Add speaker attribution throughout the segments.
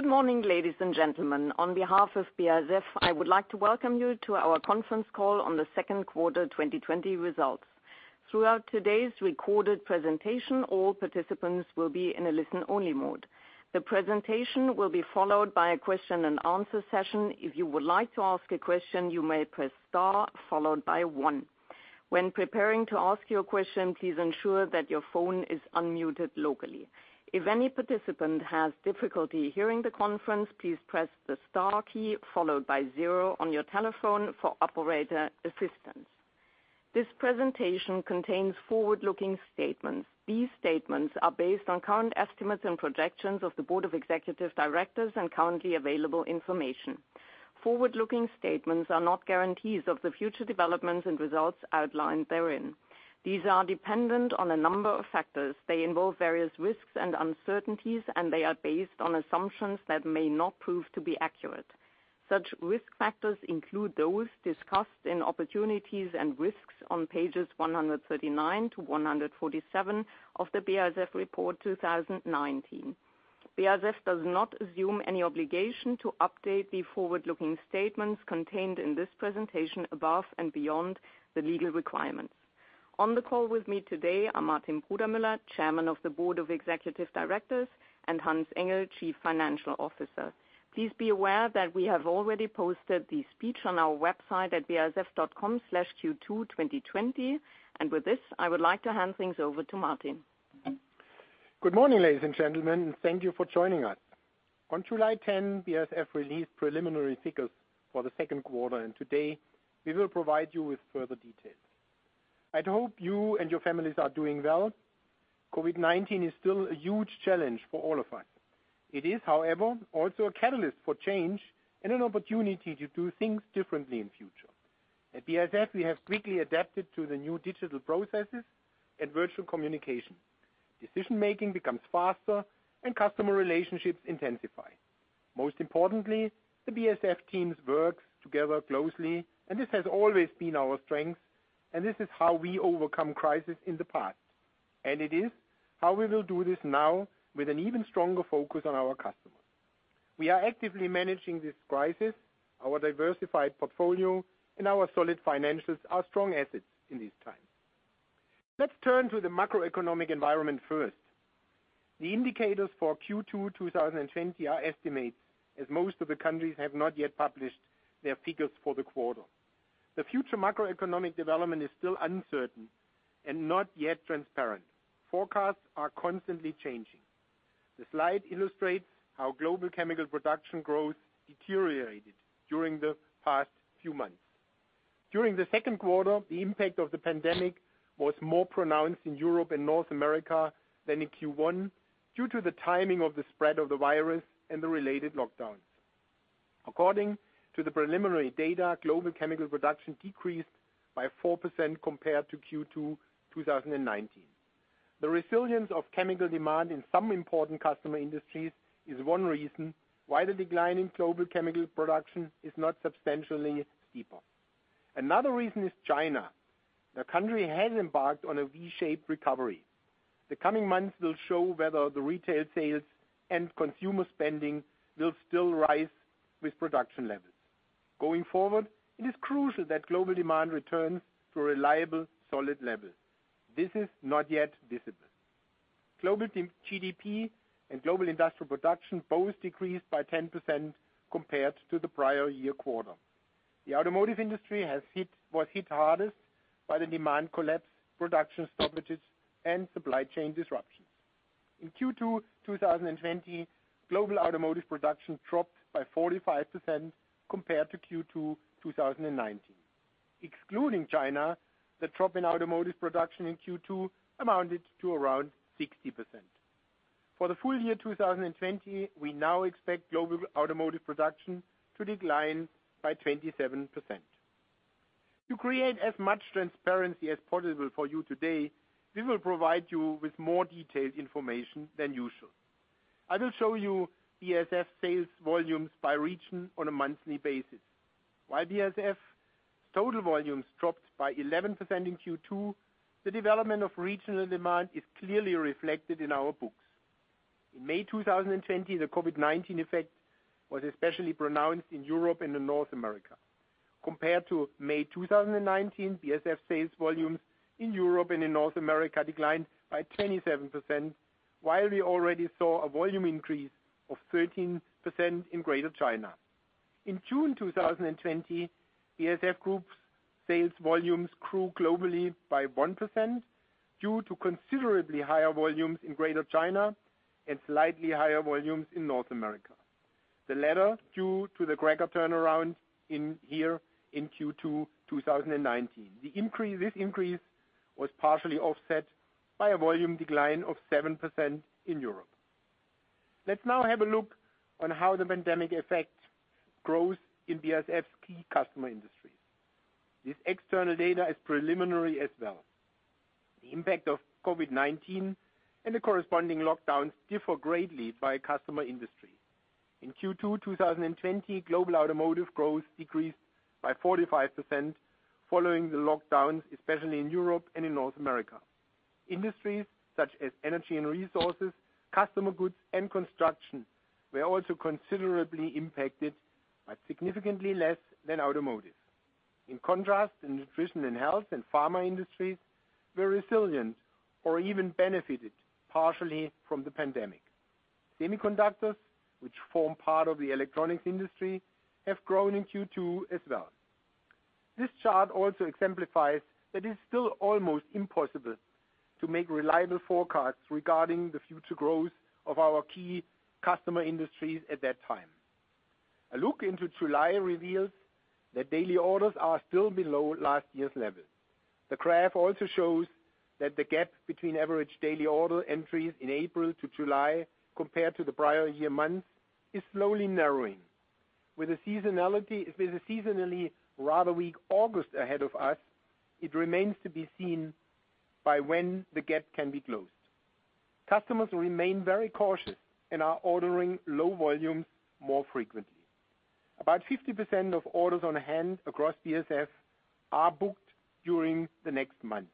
Speaker 1: Good morning, ladies and gentlemen. On behalf of BASF, I would like to welcome you to our conference call on the second quarter 2020 results. Throughout today's recorded presentation, all participants will be in a listen-only mode. The presentation will be followed by a question and answer session. If you would like to ask a question, you may press star followed by one. When preparing to ask your question, please ensure that your phone is unmuted locally. If any participant has difficulty hearing the conference, please press the star key followed by zero on your telephone for operator assistance. This presentation contains forward-looking statements. These statements are based on current estimates and projections of the Board of Executive Directors and currently available information. Forward-looking statements are not guarantees of the future developments and results outlined therein. These are dependent on a number of factors. They involve various risks and uncertainties, and they are based on assumptions that may not prove to be accurate. Such risk factors include those discussed in opportunities and risks on pages 139-147 of the BASF Report 2019. BASF does not assume any obligation to update the forward-looking statements contained in this presentation above and beyond the legal requirements. On the call with me today are Martin Brudermüller, Chairman of the Board of Executive Directors, and Hans Engel, Chief Financial Officer. Please be aware that we have already posted the speech on our website at basf.com/q22020. With this, I would like to hand things over to Martin.
Speaker 2: Good morning, ladies and gentlemen. Thank you for joining us. On July 10, BASF released preliminary figures for the second quarter, and today we will provide you with further details. I'd hope you and your families are doing well. COVID-19 is still a huge challenge for all of us. It is, however, also a catalyst for change and an opportunity to do things differently in future. At BASF, we have quickly adapted to the new digital processes and virtual communication. Decision-making becomes faster and customer relationships intensify. Most importantly, the BASF teams work together closely, and this has always been our strength, and this is how we overcome crisis in the past. It is how we will do this now with an even stronger focus on our customers. We are actively managing this crisis, our diversified portfolio, and our solid financials are strong assets in these times. Let's turn to the macroeconomic environment first. The indicators for Q2 2020 are estimates, as most of the countries have not yet published their figures for the quarter. The future macroeconomic development is still uncertain and not yet transparent. Forecasts are constantly changing. The slide illustrates how global chemical production growth deteriorated during the past few months. During the second quarter, the impact of the pandemic was more pronounced in Europe and North America than in Q1, due to the timing of the spread of the virus and the related lockdowns. According to the preliminary data, global chemical production decreased by 4% compared to Q2 2019. The resilience of chemical demand in some important customer industries is one reason why the decline in global chemical production is not substantially deeper. Another reason is China. The country has embarked on a V-shaped recovery. The coming months will show whether the retail sales and consumer spending will still rise with production levels. Going forward, it is crucial that global demand returns to a reliable, solid level. This is not yet visible. Global GDP and global industrial production both decreased by 10% compared to the prior year quarter. The automotive industry was hit hardest by the demand collapse, production stoppages, and supply chain disruptions. In Q2 2020, global automotive production dropped by 45% compared to Q2 2019. Excluding China, the drop in automotive production in Q2 amounted to around 60%. For the full-year 2020, we now expect global automotive production to decline by 27%. To create as much transparency as possible for you today, we will provide you with more detailed information than usual. I will show you BASF sales volumes by region on a monthly basis. While BASF total volumes dropped by 11% in Q2, the development of regional demand is clearly reflected in our books. In May 2020, the COVID-19 effect was especially pronounced in Europe and in North America. Compared to May 2019, BASF sales volumes in Europe and in North America declined by 27%, while we already saw a volume increase of 13% in Greater China. In June 2020, BASF Group's sales volumes grew globally by 1% due to considerably higher volumes in Greater China and slightly higher volumes in North America. The latter due to the cracker turnaround in here in Q2 2019. This increase was partially offset by a volume decline of 7% in Europe. Let's now have a look on how the pandemic affect growth in BASF's key customer industries. This external data is preliminary as well. The impact of COVID-19 and the corresponding lockdowns differ greatly by customer industry. In Q2 2020, global automotive growth decreased by 45% following the lockdowns, especially in Europe and in North America. Industries such as energy and resources, consumer goods, and construction were also considerably impacted, but significantly less than automotive. In contrast, in Nutrition & Health and pharma industries, were resilient or even benefited partially from the pandemic. Semiconductors, which form part of the electronics industry, have grown in Q2 as well. This chart also exemplifies that it is still almost impossible to make reliable forecasts regarding the future growth of our key customer industries at that time. A look into July reveals that daily orders are still below last year's level. The graph also shows that the gap between average daily order entries in April to July compared to the prior year months is slowly narrowing. With the seasonally rather weak August ahead of us, it remains to be seen by when the gap can be closed. Customers remain very cautious and are ordering low volumes more frequently. About 50% of orders on hand across BASF are booked during the next month.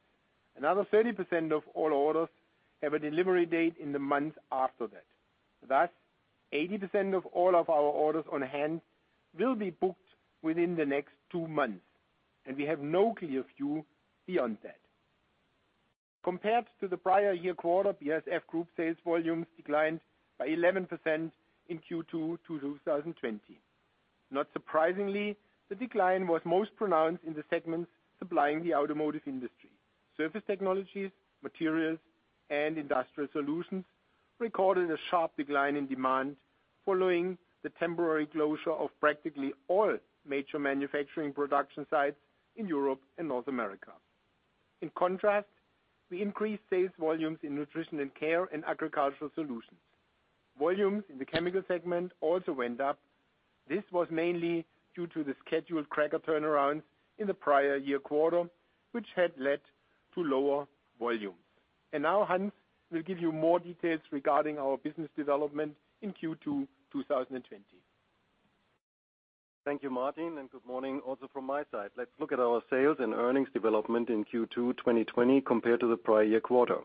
Speaker 2: Another 30% of all orders have a delivery date in the month after that. Thus, 80% of all of our orders on hand will be booked within the next two months, and we have no clear view beyond that. Compared to the prior year quarter, BASF Group sales volumes declined by 11% in Q2 2020. Not surprisingly, the decline was most pronounced in the segments supplying the automotive industry. Surface technologies, materials, and Industrial Solutions recorded a sharp decline in demand following the temporary closure of practically all major manufacturing production sites in Europe and North America. In contrast, we increased sales volumes in Nutrition & Care and agricultural solutions. Volumes in the chemical segment also went up. This was mainly due to the scheduled cracker turnaround in the prior year quarter, which had led to lower volumes. Now Hans will give you more details regarding our business development in Q2 2020.
Speaker 3: Thank you, Martin, and good morning also from my side. Let's look at our sales and earnings development in Q2 2020 compared to the prior year quarter.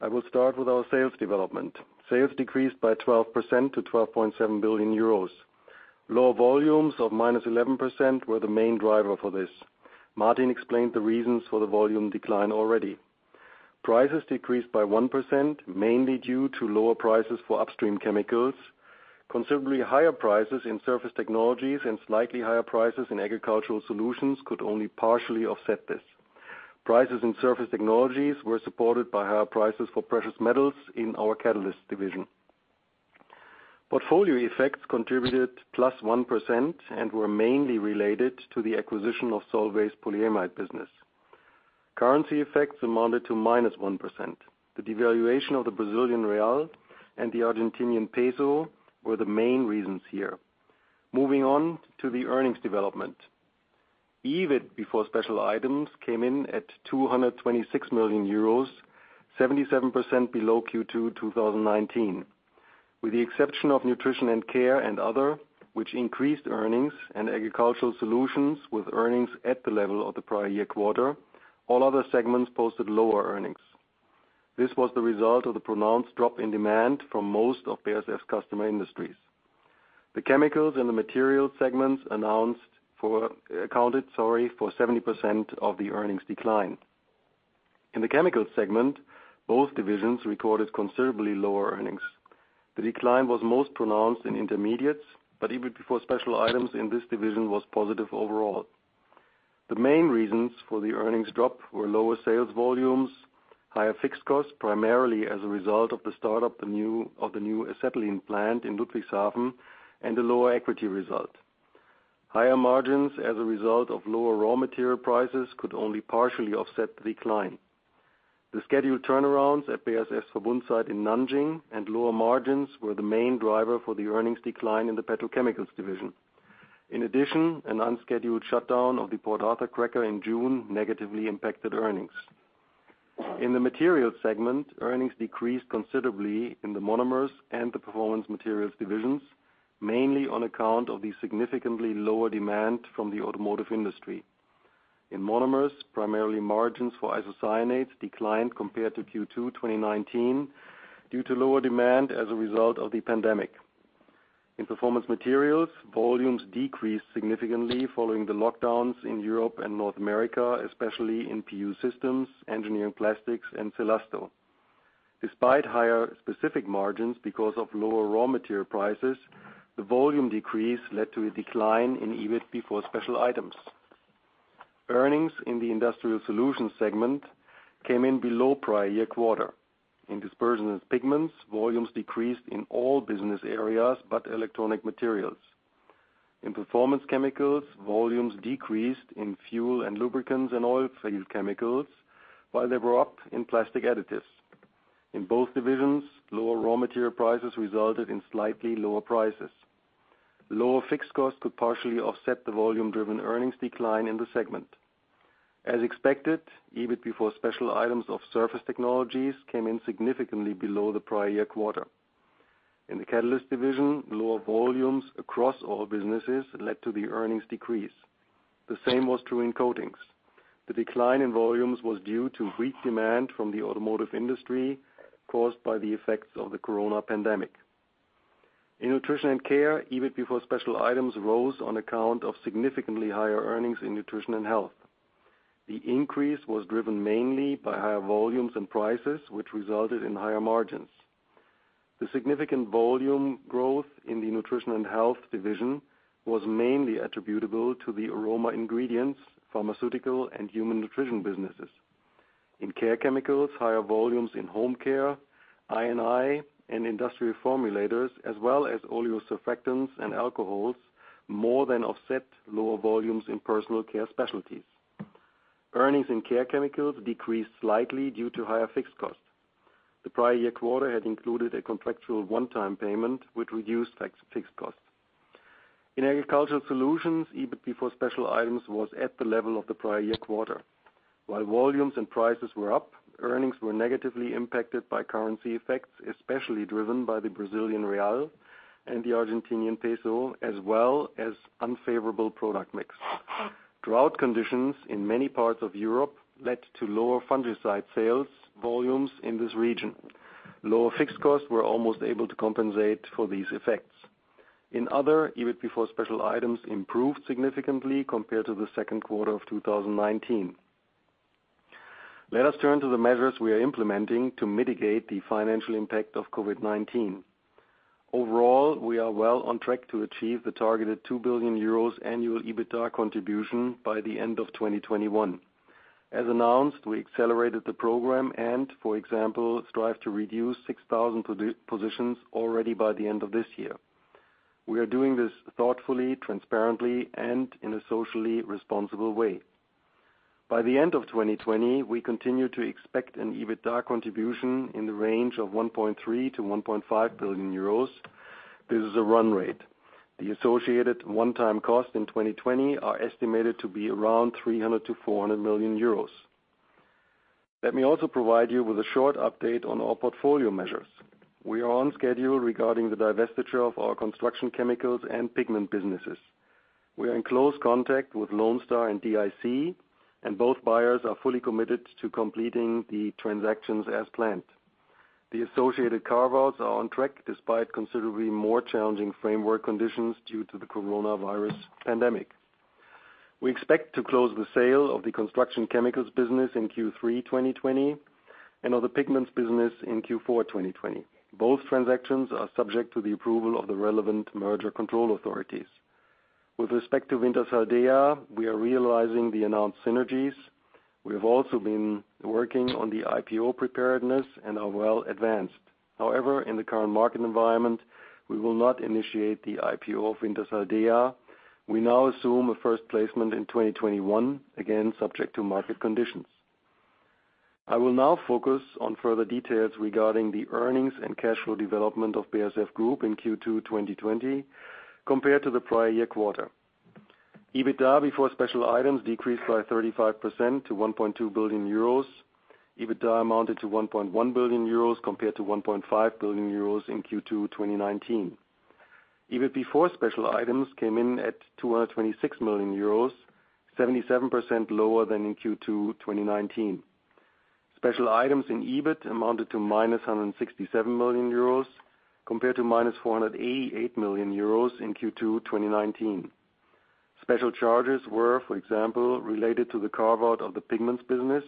Speaker 3: I will start with our sales development. Sales decreased by 12% to 12.7 billion euros. Lower volumes of -11% were the main driver for this. Martin explained the reasons for the volume decline already. Prices decreased by 1%, mainly due to lower prices for upstream chemicals. Considerably higher prices in Surface Technologies and slightly higher prices in agricultural solutions could only partially offset this. Prices in Surface Technologies were supported by higher prices for precious metals in our Catalysts division. Portfolio effects contributed +1% and were mainly related to the acquisition of Solvay's polyamide business. Currency effects amounted to -1%. The devaluation of the Brazilian real and the Argentinian peso were the main reasons here. Moving on to the earnings development. EBIT before special items came in at 226 million euros, 77% below Q2 2019. With the exception of Nutrition & Care and other, which increased earnings and Agricultural Solutions with earnings at the level of the prior year quarter, all other segments posted lower earnings. This was the result of the pronounced drop in demand from most of BASF's customer industries. The Chemicals and the Materials segments accounted for 70% of the earnings decline. In the Chemicals segment, both divisions recorded considerably lower earnings. The decline was most pronounced in Intermediates, but EBIT before special items in this division was positive overall. The main reasons for the earnings drop were lower sales volumes, higher fixed costs, primarily as a result of the startup of the new acetylene plant in Ludwigshafen, and a lower equity result. Higher margins as a result of lower raw material prices could only partially offset the decline. The scheduled turnarounds at BASF Verbund site in Nanjing and lower margins were the main driver for the earnings decline in the petrochemicals division. In addition, an unscheduled shutdown of the Port Arthur cracker in June negatively impacted earnings. In the materials segment, earnings decreased considerably in the Monomers and the Performance Materials divisions, mainly on account of the significantly lower demand from the automotive industry. In Monomers, primarily margins for isocyanates declined compared to Q2 2019 due to lower demand as a result of the pandemic. In Performance Materials, volumes decreased significantly following the lockdowns in Europe and North America, especially in PU systems, engineering plastics, and Cellasto. Despite higher specific margins because of lower raw material prices, the volume decrease led to a decline in EBIT before special items. Earnings in the Industrial Solutions segment came in below prior year quarter. In Dispersions & Pigments, volumes decreased in all business areas but electronic materials. In Performance Chemicals, volumes decreased in fuel and lubricants and oil field chemicals, while they were up in plastic additives. In both divisions, lower raw material prices resulted in slightly lower prices. Lower fixed costs could partially offset the volume-driven earnings decline in the segment. As expected, EBIT before special items of Surface Technologies came in significantly below the prior year quarter. In the Catalysts division, lower volumes across all businesses led to the earnings decrease. The same was true in Coatings. The decline in volumes was due to weak demand from the automotive industry caused by the effects of the COVID-19 pandemic. In Nutrition & Care, EBIT before special items rose on account of significantly higher earnings in Nutrition & Health. The increase was driven mainly by higher volumes and prices, which resulted in higher margins. The significant volume growth in the Nutrition & Health division was mainly attributable to the aroma ingredients, pharmaceutical and human nutrition businesses. In Care Chemicals, higher volumes in home care, I&I and industrial formulators, as well as oleo surfactants and alcohols, more than offset lower volumes in personal care specialties. Earnings in Care Chemicals decreased slightly due to higher fixed costs. The prior year quarter had included a contractual one-time payment, which reduced fixed costs. In Agricultural Solutions, EBIT before special items was at the level of the prior year quarter. While volumes and prices were up, earnings were negatively impacted by currency effects, especially driven by the Brazilian real and the Argentinian peso, as well as unfavorable product mix. Drought conditions in many parts of Europe led to lower fungicide sales volumes in this region. Lower fixed costs were almost able to compensate for these effects. In other, EBIT before special items improved significantly compared to the second quarter of 2019. Let us turn to the measures we are implementing to mitigate the financial impact of COVID-19. Overall, we are well on track to achieve the targeted 2 billion euros annual EBITDA contribution by the end of 2021. As announced, we accelerated the program and, for example, strive to reduce 6,000 positions already by the end of this year. We are doing this thoughtfully, transparently, and in a socially responsible way. By the end of 2020, we continue to expect an EBITDA contribution in the range of 1.3 billion-1.5 billion euros. This is a run rate. The associated one-time cost in 2020 are estimated to be around 300 million-400 million euros. Let me also provide you with a short update on our portfolio measures. We are on schedule regarding the divestiture of our Construction Chemicals and Pigments businesses. We are in close contact with Lone Star and DIC, and both buyers are fully committed to completing the transactions as planned. The associated carve-outs are on track despite considerably more challenging framework conditions due to the coronavirus pandemic. We expect to close the sale of the Construction Chemicals business in Q3 2020 and of the Pigments business in Q4 2020. Both transactions are subject to the approval of the relevant merger control authorities. With respect to Wintershall Dea, we are realizing the announced synergies. We have also been working on the IPO preparedness and are well advanced. However, in the current market environment, we will not initiate the IPO of Wintershall Dea. We now assume a first placement in 2021, again, subject to market conditions. I will now focus on further details regarding the earnings and cash flow development of BASF Group in Q2 2020 compared to the prior year quarter. EBITDA before special items decreased by 35% to 1.2 billion euros. EBITDA amounted to 1.1 billion euros compared to 1.5 billion euros in Q2 2019. EBIT before special items came in at 226 million euros, 77% lower than in Q2 2019. Special items in EBIT amounted to -167 million euros compared to -488 million euros in Q2 2019. Special charges were, for example, related to the carve-out of the Pigments business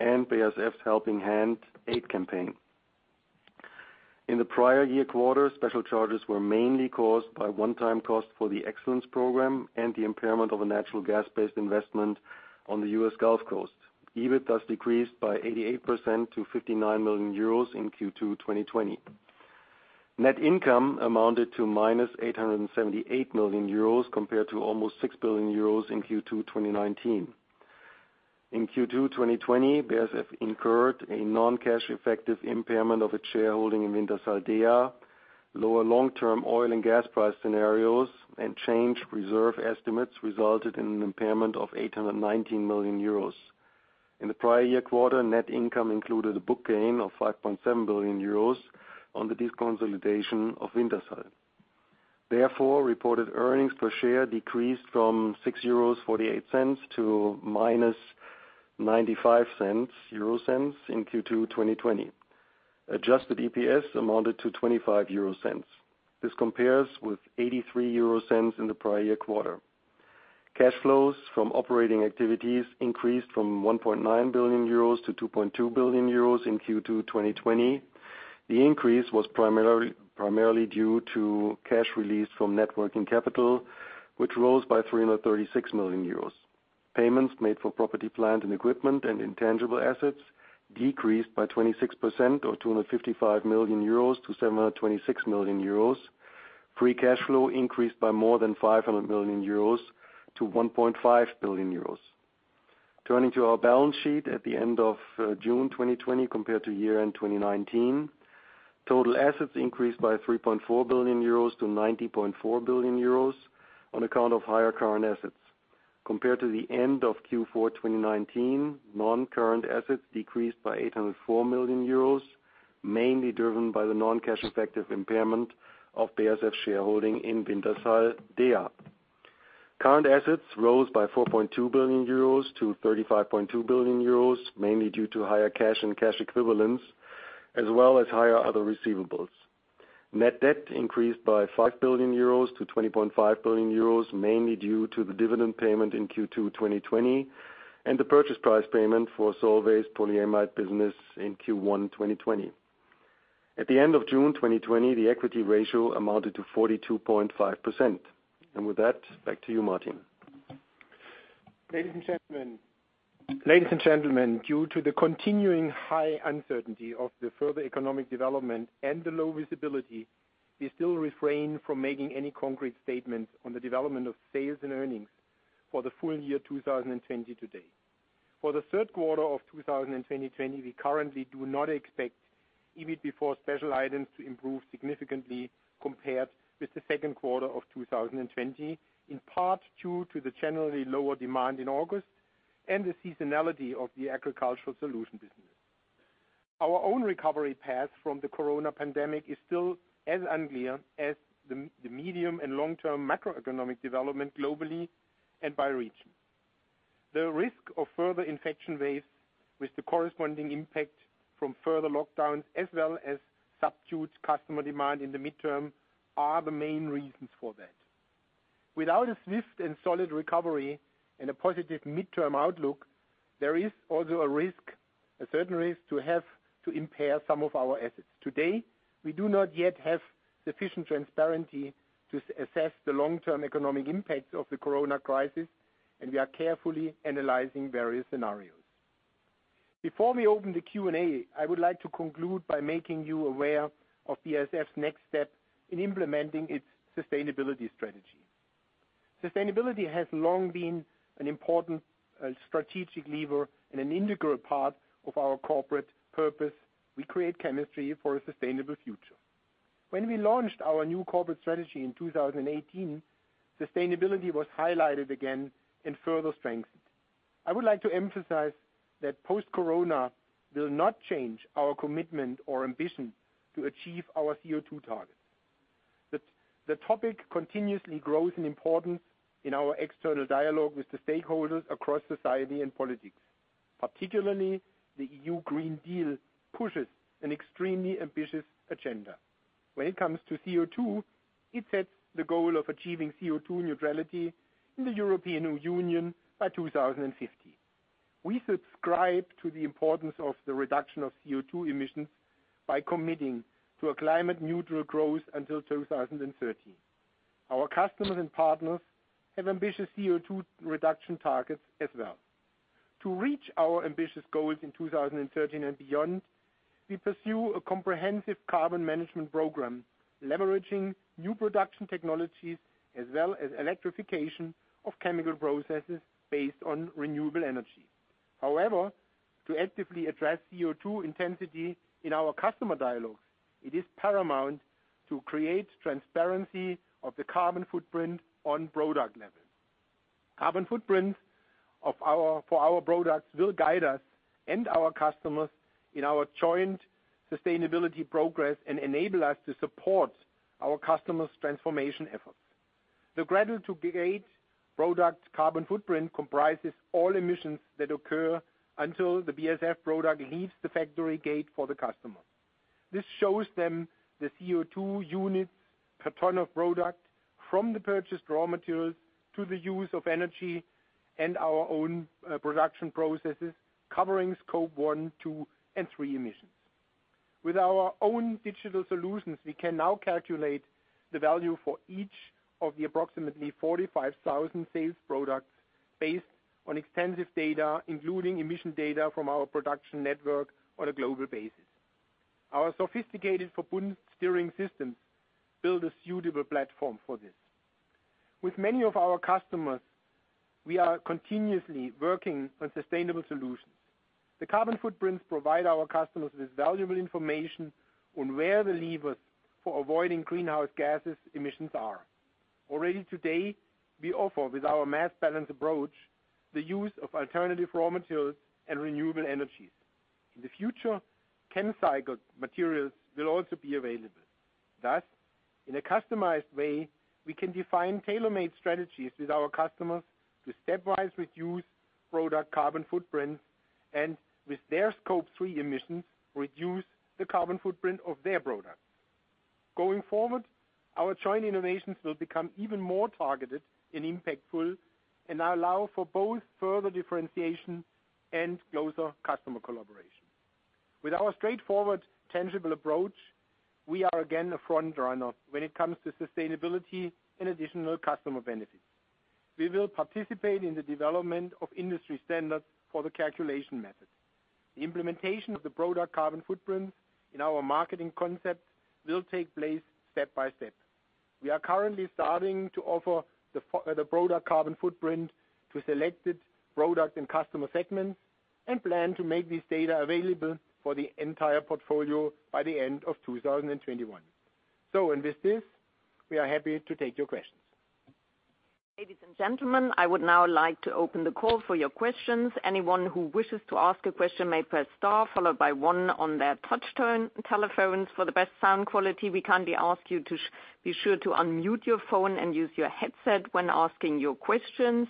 Speaker 3: and BASF's Helping Hand aid campaign. In the prior year quarter, special charges were mainly caused by one-time cost for the excellence program and the impairment of a natural gas-based investment on the U.S. Gulf Coast. EBIT thus decreased by 88% to 59 million euros in Q2 2020. Net income amounted to minus 878 million euros compared to almost 6 billion euros in Q2 2019. In Q2 2020, BASF incurred a non-cash effective impairment of its shareholding in Wintershall Dea. Lower long-term oil and gas price scenarios and change reserve estimates resulted in an impairment of 819 million euros. In the prior year quarter, net income included a book gain of 5.7 billion euros on the deconsolidation of Wintershall. Reported earnings per share decreased from 6.48 euros to -0.95 in Q2 2020. Adjusted EPS amounted to 0.25. This compares with 0.83 in the prior year quarter. Cash flows from operating activities increased from 1.9 billion euros to 2.2 billion euros in Q2 2020. The increase was primarily due to cash release from net working capital, which rose by 336 million euros. Payments made for property, plant and equipment and intangible assets decreased by 26%, or 255 million euros to 726 million euros. Free cash flow increased by more than 500 million euros to 1.5 billion euros. Turning to our balance sheet at the end of June 2020 compared to year-end 2019. Total assets increased by 3.4 billion euros to 90.4 billion euros on account of higher current assets. Compared to the end of Q4 2019, non-current assets decreased by 804 million euros, mainly driven by the non-cash effective impairment of BASF shareholding in Wintershall Dea. Current assets rose by 4.2 billion euros to 35.2 billion euros, mainly due to higher cash and cash equivalents, as well as higher other receivables. Net debt increased by 5 billion euros to 20.5 billion euros, mainly due to the dividend payment in Q2 2020 and the purchase price payment for Solvay's polyamide business in Q1 2020. At the end of June 2020, the equity ratio amounted to 42.5%. With that, back to you, Martin.
Speaker 2: Ladies and gentlemen, due to the continuing high uncertainty of the further economic development and the low visibility, we still refrain from making any concrete statements on the development of sales and earnings for the full-year 2020 today. For the third quarter of 2020, we currently do not expect EBIT before special items to improve significantly compared with the second quarter of 2020, in part due to the generally lower demand in August and the seasonality of the agricultural solution business. Our own recovery path from the coronavirus pandemic is still as unclear as the medium and long-term macroeconomic development globally and by region. The risk of further infection waves with the corresponding impact from further lockdowns as well as subdued customer demand in the midterm are the main reasons for that. Without a swift and solid recovery and a positive midterm outlook, there is also a certain risk to have to impair some of our assets. Today, we do not yet have sufficient transparency to assess the long-term economic impact of the coronavirus crisis, and we are carefully analyzing various scenarios. Before we open the Q&A, I would like to conclude by making you aware of BASF's next step in implementing its sustainability strategy. Sustainability has long been an important strategic lever and an integral part of our corporate purpose. We create chemistry for a sustainable future. When we launched our new corporate strategy in 2018, sustainability was highlighted again and further strengthened. I would like to emphasize that post-corona will not change our commitment or ambition to achieve our CO2 targets. The topic continuously grows in importance in our external dialogue with the stakeholders across society and politics. Particularly, the European Green Deal pushes an extremely ambitious agenda. When it comes to CO2, it sets the goal of achieving CO2 neutrality in the European Union by 2050. We subscribe to the importance of the reduction of CO2 emissions by committing to a climate-neutral growth until 2030. Our customers and partners have ambitious CO2 reduction targets as well. To reach our ambitious goals in 2030 and beyond, we pursue a comprehensive carbon management program, leveraging new production technologies as well as electrification of chemical processes based on renewable energy. However, to actively address CO2 intensity in our customer dialogues, it is paramount to create transparency of the carbon footprint on product levels. Carbon footprint for our products will guide us and our customers in our joint sustainability progress and enable us to support our customers' transformation efforts. The cradle-to-gate product carbon footprint comprises all emissions that occur until the BASF product leaves the factory gate for the customer. This shows them the CO2 units per ton of product from the purchased raw materials to the use of energy and our own production processes, covering Scope 1, 2, and 3 emissions. With our own digital solutions, we can now calculate the value for each of the approximately 45,000 sales products based on extensive data, including emission data from our production network on a global basis. Our sophisticated footprint steering systems build a suitable platform for this. With many of our customers, we are continuously working on sustainable solutions. The carbon footprints provide our customers with valuable information on where the levers for avoiding greenhouse gases emissions are. Already today, we offer with our mass balance approach the use of alternative raw materials and renewable energies. In the future, chemcycled materials will also be available. Thus, in a customized way, we can define tailor-made strategies with our customers to stepwise reduce product carbon footprints and with their Scope 3 emissions, reduce the carbon footprint of their products. Going forward, our joint innovations will become even more targeted and impactful and allow for both further differentiation and closer customer collaboration. With our straightforward, tangible approach, we are again a front runner when it comes to sustainability and additional customer benefits. We will participate in the development of industry standards for the calculation methods. The implementation of the product carbon footprints in our marketing concepts will take place step by step. We are currently starting to offer the product carbon footprint to selected product and customer segments and plan to make this data available for the entire portfolio by the end of 2021. With this, we are happy to take your questions.
Speaker 1: Ladies and gentlemen, I would now like to open the call for your questions. Anyone who wishes to ask a question may press star, followed by one on their touchtone telephones. For the best sound quality, we kindly ask you to be sure to unmute your phone and use your headset when asking your questions.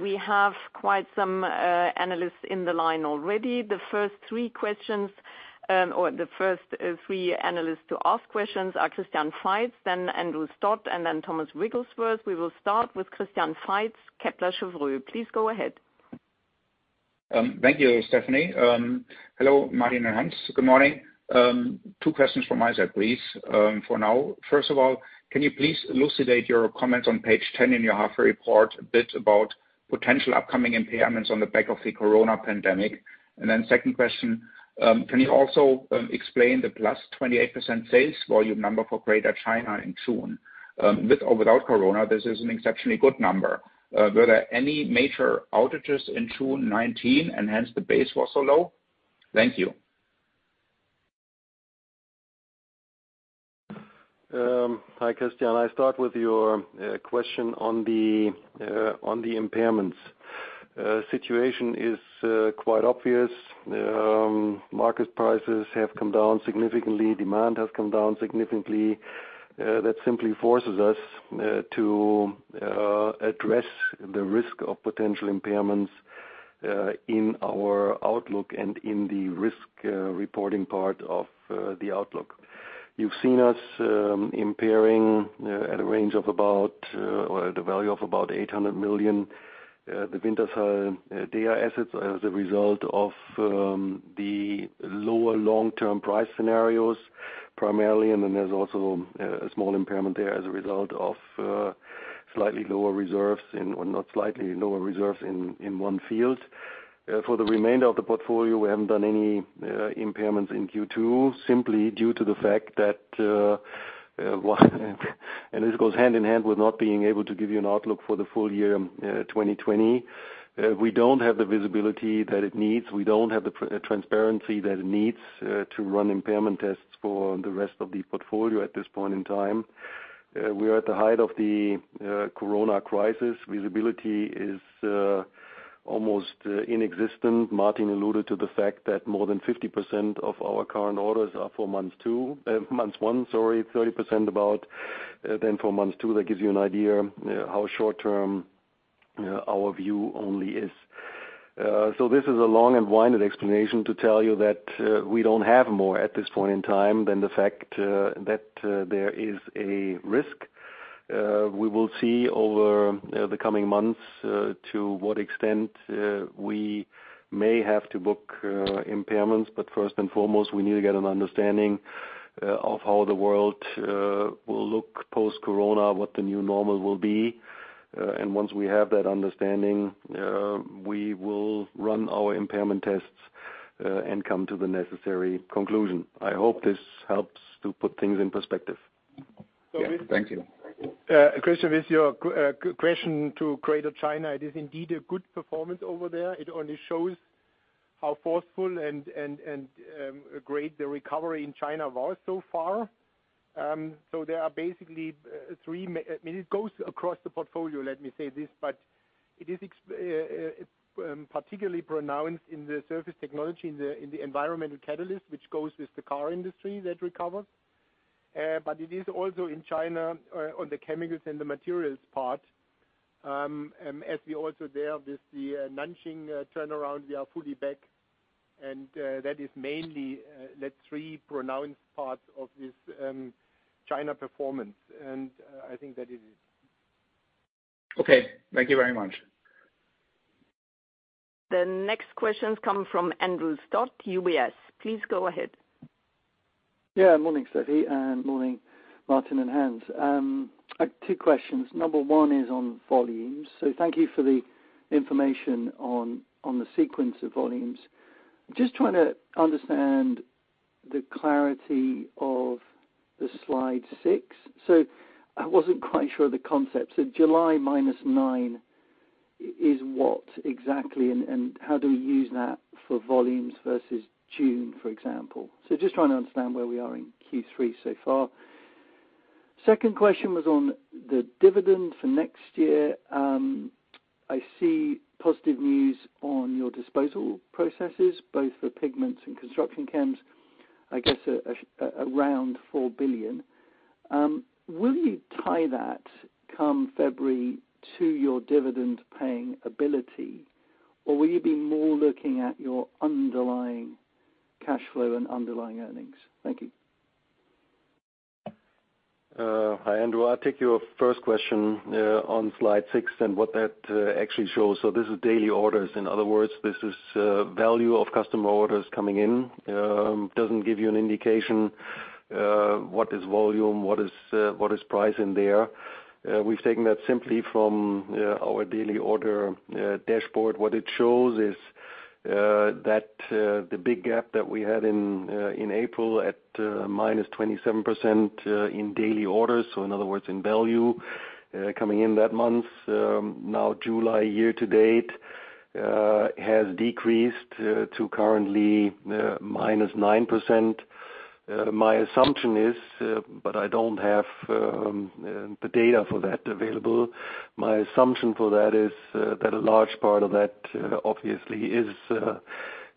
Speaker 1: We have quite some analysts in the line already. The first three analysts to ask questions are Christian Faitz, then Andrew Stott, and then Thomas Wrigglesworth. We will start with Christian Faitz, Kepler Cheuvreux. Please go ahead.
Speaker 4: Thank you, Stefanie. Hello, Martin and Hans. Good morning. Two questions from my side, please, for now. First of all, can you please elucidate your comments on page 10 in your half report a bit about potential upcoming impairments on the back of the coronavirus pandemic? Second question, can you also explain the +28% sales volume number for Greater China in June? With or without coronavirus, this is an exceptionally good number. Were there any major outages in June 2019, and hence the base was so low? Thank you.
Speaker 3: Hi, Christian. I start with your question on the impairments. Situation is quite obvious. Market prices have come down significantly. Demand has come down significantly. Simply forces us to address the risk of potential impairments in our outlook and in the risk reporting part of the outlook. You've seen us impairing at a value of about 800 million, the Wintershall Dea assets as a result of the lower long-term price scenarios primarily, and then there's also a small impairment there as a result of lower reserves in one field. For the remainder of the portfolio, we haven't done any impairments in Q2, simply due to the fact that and this goes hand in hand with not being able to give you an outlook for the full-year 2020. We don't have the visibility that it needs. We don't have the transparency that it needs to run impairment tests for the rest of the portfolio at this point in time. We are at the height of the coronavirus crisis. Visibility is almost nonexistent. Martin alluded to the fact that more than 50% of our current orders are for months one, sorry, 30% about, then for months two. That gives you an idea how short term our view only is. This is a long and winded explanation to tell you that we don't have more at this point in time than the fact that there is a risk. We will see over the coming months to what extent we may have to book impairments, but first and foremost, we need to get an understanding of how the world will look post-coronavirus, what the new normal will be. Once we have that understanding, we will run our impairment tests and come to the necessary conclusion. I hope this helps to put things in perspective.
Speaker 4: Thank you.
Speaker 2: Christian, with your question to Greater China, it is indeed a good performance over there. It only shows how forceful and great the recovery in China was so far. It goes across the portfolio, let me say this, but it is particularly pronounced in the Surface Technologies, in the environmental catalyst, which goes with the car industry that recovers. It is also in China on the chemicals and the materials part. As we also there with the Nanjing turnaround, we are fully back, and that is mainly that three pronounced parts of this China performance. I think that is it.
Speaker 4: Okay. Thank you very much.
Speaker 1: The next questions come from Andrew Stott, UBS. Please go ahead.
Speaker 5: Morning, Stefanie, and morning, Martin and Hans. I have two questions. Number one is on volumes. Thank you for the information on the sequence of volumes. I'm just trying to understand the clarity of the slide six. I wasn't quite sure the concept. July -9% is what exactly, and how do we use that for volumes versus June, for example? Just trying to understand where we are in Q3 so far. Second question was on the dividend for next year. I see positive news on your disposal processes, both for Pigments and Construction Chemicals, I guess around 4 billion. Will you tie that come February to your dividend-paying ability, or will you be more looking at your underlying cash flow and underlying earnings? Thank you.
Speaker 3: Hi, Andrew. I'll take your first question on slide six and what that actually shows. This is daily orders. In other words, this is value of customer orders coming in. Doesn't give you an indication what is volume, what is price in there. We've taken that simply from our daily order dashboard. What it shows is that the big gap that we had in April at -27% in daily orders, so in other words, in value coming in that month. Now July year-to-date has decreased to currently -9%. My assumption is, but I don't have the data for that available. My assumption for that is that a large part of that obviously is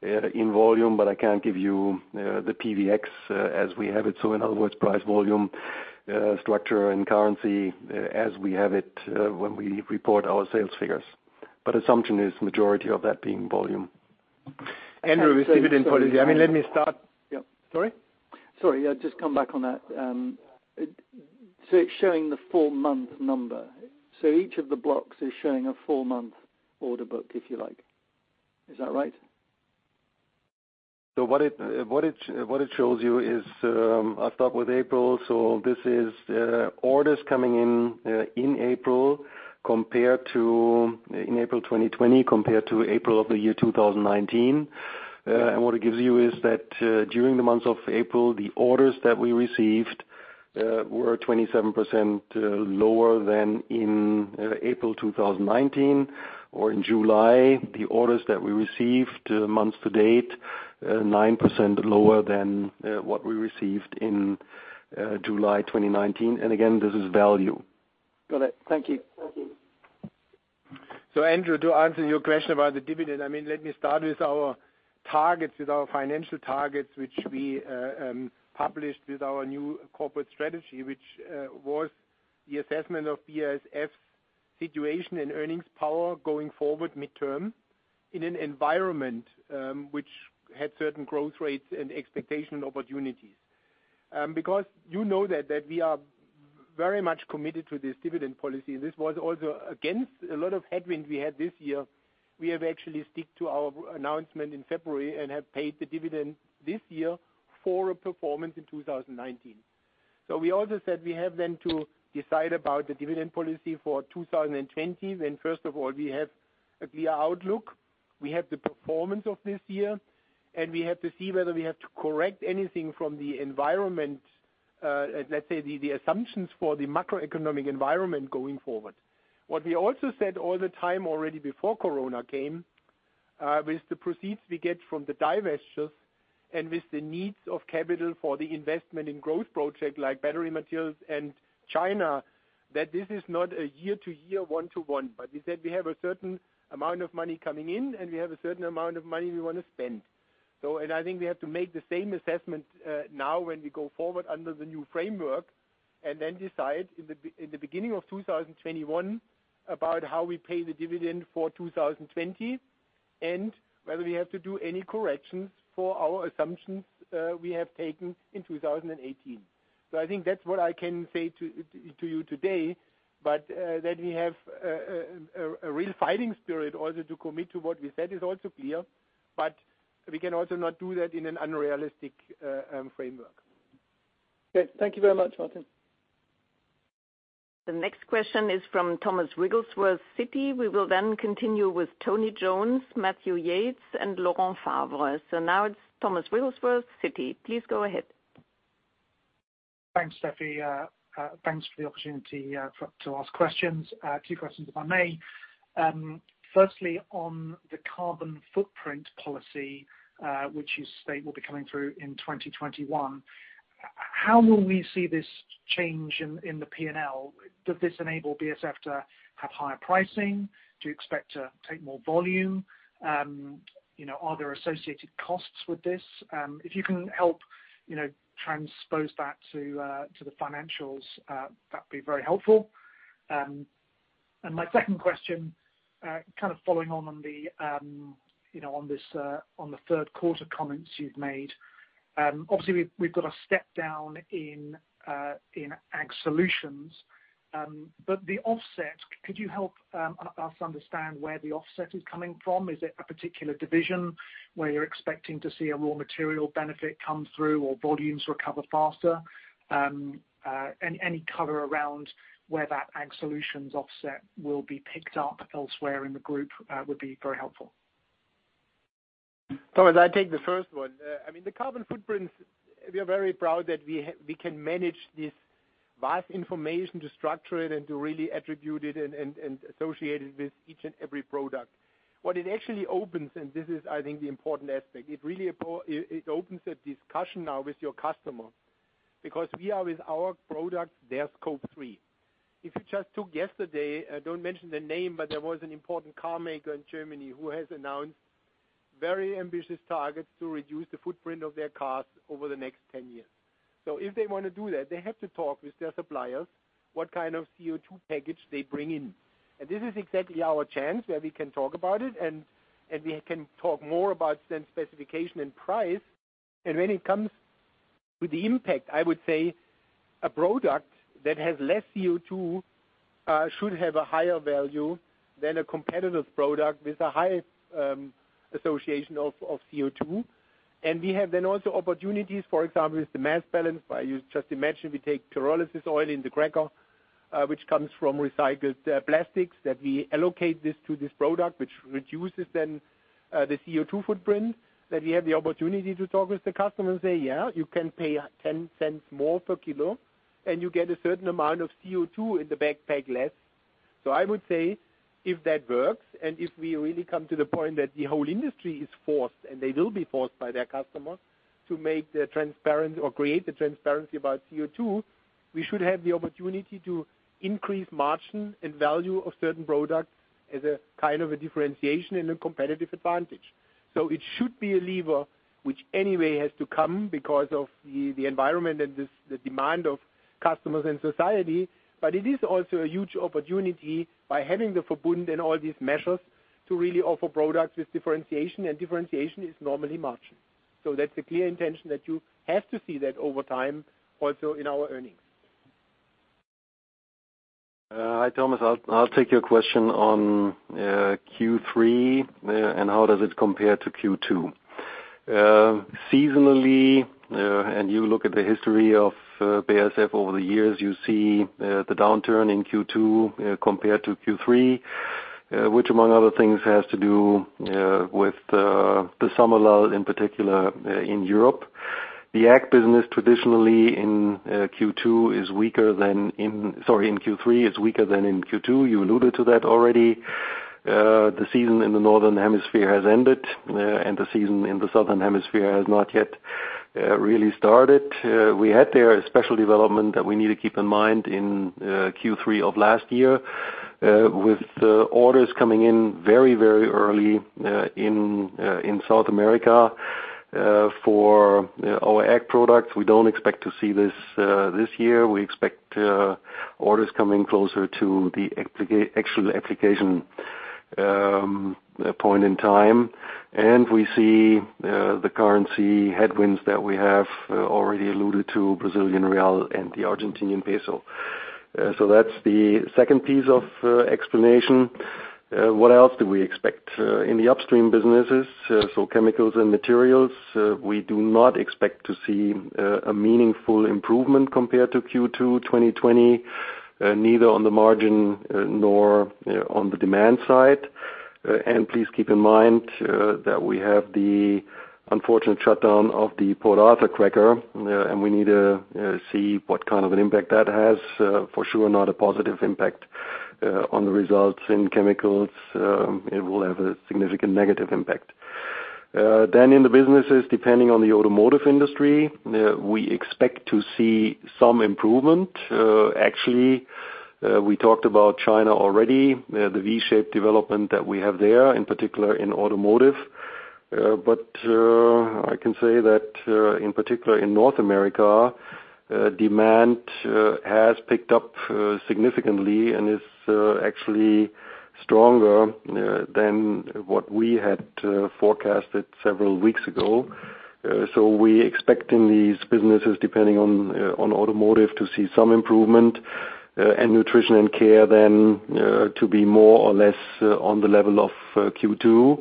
Speaker 3: in volume, but I can't give you the PVX as we have it, in other words, price-volume structure and currency as we have it when we report our sales figures. Assumption is majority of that being volume.
Speaker 2: Andrew, received it in policy. Let me start.
Speaker 3: Yep. Sorry?
Speaker 5: Sorry. Just come back on that. It's showing the four-month number. Each of the blocks is showing a four-month order book, if you like. Is that right?
Speaker 3: What it shows you is, I'll start with April. This is orders coming in April 2020 compared to April of the year 2019. What it gives you is that, during the month of April, the orders that we received were 27% lower than in April 2019, or in July. The orders that we received months to date, 9% lower than what we received in July 2019. Again, this is value.
Speaker 5: Got it. Thank you.
Speaker 2: Andrew, to answer your question about the dividend, let me start with our financial targets, which we published with our new corporate strategy, which was the assessment of BASF situation and earnings power going forward midterm in an environment, which had certain growth rates and expectation opportunities. You know that we are very much committed to this dividend policy. This was also against a lot of headwinds we had this year. We have actually stick to our announcement in February and have paid the dividend this year for a performance in 2019. We also said we have then to decide about the dividend policy for 2020. First of all, we have a clear outlook. We have the performance of this year, and we have to see whether we have to correct anything from the environment, let's say, the assumptions for the macroeconomic environment going forward. What we also said all the time already before COVID-19 came, with the proceeds we get from the divestitures and with the needs of capital for the investment in growth project like battery materials and China, that this is not a year-to-year one-to-one. We said we have a certain amount of money coming in and we have a certain amount of money we want to spend. I think we have to make the same assessment now when we go forward under the new framework and then decide in the beginning of 2021 about how we pay the dividend for 2020 and whether we have to do any corrections for our assumptions we have taken in 2018. I think that's what I can say to you today, but that we have a real fighting spirit also to commit to what we said is also clear, but we can also not do that in an unrealistic framework.
Speaker 5: Okay. Thank you very much, Martin.
Speaker 1: The next question is from Thomas Wrigglesworth, Citi. We will then continue with Tony Jones, Matthew Yates and Laurent Favre. Now it's Thomas Wrigglesworth, Citi. Please go ahead.
Speaker 6: Thanks, Stefanie. Thanks for the opportunity to ask questions. Two questions, if I may. Firstly, on the carbon footprint policy, which you state will be coming through in 2021, how will we see this change in the P&L? Does this enable BASF to have higher pricing? Do you expect to take more volume? Are there associated costs with this? If you can help transpose that to the financials, that'd be very helpful. My second question, kind of following on the third quarter comments you've made. Obviously we've got a step down in Ag Solutions. The offset, could you help us understand where the offset is coming from? Is it a particular division where you're expecting to see a raw material benefit come through or volumes recover faster? Any color around where that Ag Solutions offset will be picked up elsewhere in the group would be very helpful.
Speaker 2: Thomas, I take the first one. The carbon footprints, we are very proud that we can manage this vast information to structure it and to really attribute it and associate it with each and every product. What it actually opens, and this is, I think, the important aspect. It opens a discussion now with your customer because we are with our product, their Scope 3. If you just took yesterday, I don't mention the name, but there was an important car maker in Germany who has announced very ambitious targets to reduce the footprint of their cars over the next 10 years. If they want to do that, they have to talk with their suppliers, what kind of CO2 package they bring in. This is exactly our chance where we can talk about it and we can talk more about specification and price. When it comes to the impact, I would say a product that has less CO2, should have a higher value than a competitor's product with a high association of CO2. We have then also opportunities, for example, with the mass balance, where you just imagine we take pyrolysis oil in the cracker, which comes from recycled plastics, that we allocate this to this product, which reduces then the CO2 footprint that we have the opportunity to talk with the customer and say, "Yeah, you can pay 0.10 more per kilo and you get a certain amount of CO2 in the backpack less." I would say if that works, and if we really come to the point that the whole industry is forced, and they will be forced by their customers to make the transparent or create the transparency about CO2, we should have the opportunity to increase margin and value of certain products as a kind of a differentiation and a competitive advantage. It should be a lever, which anyway has to come because of the environment and the demand of customers and society. It is also a huge opportunity by having the Verbund and all these measures to really offer products with differentiation, and differentiation is normally margin. That's the clear intention that you have to see that over time also in our earnings.
Speaker 3: Hi, Thomas. I'll take your question on Q3 and how does it compare to Q2. Seasonally, and you look at the history of BASF over the years, you see the downturn in Q2 compared to Q3, which among other things, has to do with the summer lull in particular in Europe. The Ag business traditionally in Q3 is weaker than in Q2. You alluded to that already. The season in the northern hemisphere has ended, and the season in the southern hemisphere has not yet really started. We had there a special development that we need to keep in mind in Q3 of last year, with the orders coming in very early in South America for our ag products. We don't expect to see this this year. We expect orders coming closer to the actual application point in time. We see the currency headwinds that we have already alluded to, Brazilian real and the Argentinian peso. That's the second piece of explanation. What else do we expect? In the upstream businesses, so chemicals and materials, we do not expect to see a meaningful improvement compared to Q2 2020, neither on the margin nor on the demand side. Please keep in mind that we have the unfortunate shutdown of the Port Arthur cracker, and we need to see what kind of an impact that has. For sure not a positive impact on the results in chemicals. It will have a significant negative impact. In the businesses, depending on the automotive industry, we expect to see some improvement. Actually, we talked about China already, the V-shaped development that we have there, in particular in automotive. I can say that in particular in North America, demand has picked up significantly and is actually stronger than what we had forecasted several weeks ago. We expect in these businesses, depending on automotive, to see some improvement, and Nutrition & Care then to be more or less on the level of Q2.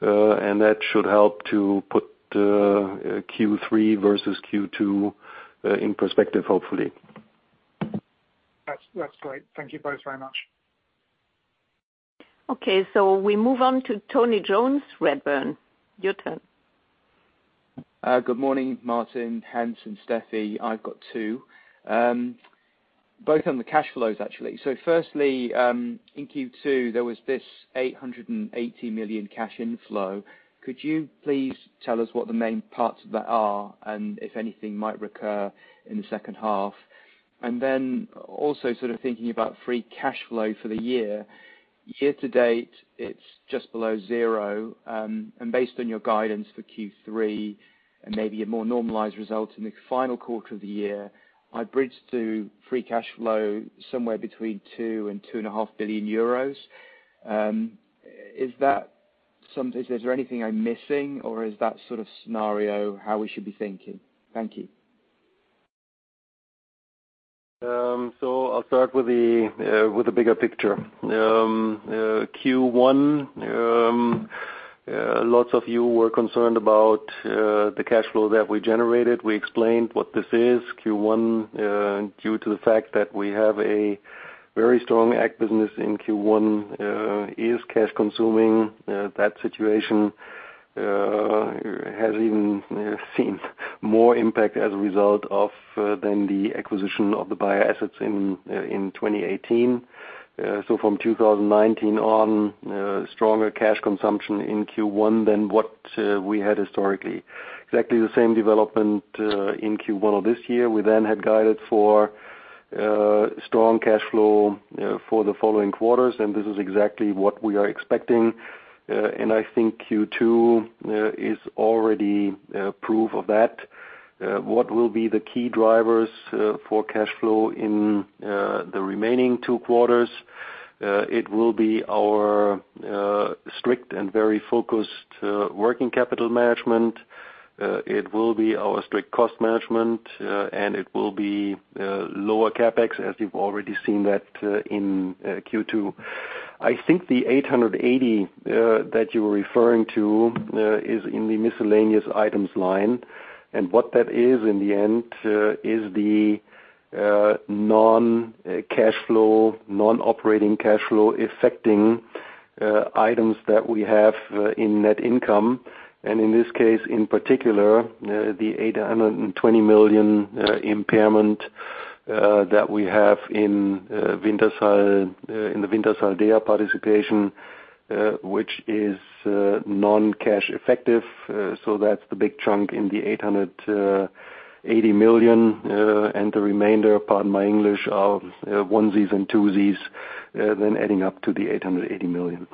Speaker 3: That should help to put Q3 versus Q2 in perspective, hopefully.
Speaker 6: That's great. Thank you both very much.
Speaker 1: Okay, we move on to Tony Jones, Redburn. Your turn.
Speaker 7: Good morning, Martin, Hans, and Stefanie. I've got two, both on the cash flows, actually. Firstly, in Q2, there was this 880 million cash inflow. Could you please tell us what the main parts of that are and if anything might recur in the second half? Also sort of thinking about free cash flow for the year. year-to-date, it's just below zero. Based on your guidance for Q3 and maybe a more normalized result in the final quarter of the year, I bridge to free cash flow somewhere between 2 billion euros and EUR 2.5 billion. Is there anything I'm missing or is that sort of scenario how we should be thinking? Thank you.
Speaker 3: I will start with the bigger picture. Q1, lots of you were concerned about the cash flow that we generated. We explained what this is. Q1, due to the fact that we have a very strong Ag business in Q1, is cash consuming. That situation has even seen more impact as a result of the acquisition of the Bayer assets in 2018. From 2019 on, stronger cash consumption in Q1 than what we had historically. Exactly the same development in Q1 of this year. We had guided for strong cash flow for the following quarters, and this is exactly what we are expecting. I think Q2 is already proof of that. What will be the key drivers for cash flow in the remaining two quarters? It will be our strict and very focused working capital management. It will be our strict cost management, and it will be lower CapEx, as you've already seen that in Q2. I think the 880 million that you were referring to is in the miscellaneous items line. What that is in the end is the non-operating cash flow affecting items that we have in net income, and in this case, in particular, the 820 million impairment that we have in the Wintershall Dea participation, which is non-cash effective. That's the big chunk in the 880 million and the remainder, pardon my English, of onesies and twosies then adding up to the 880 million.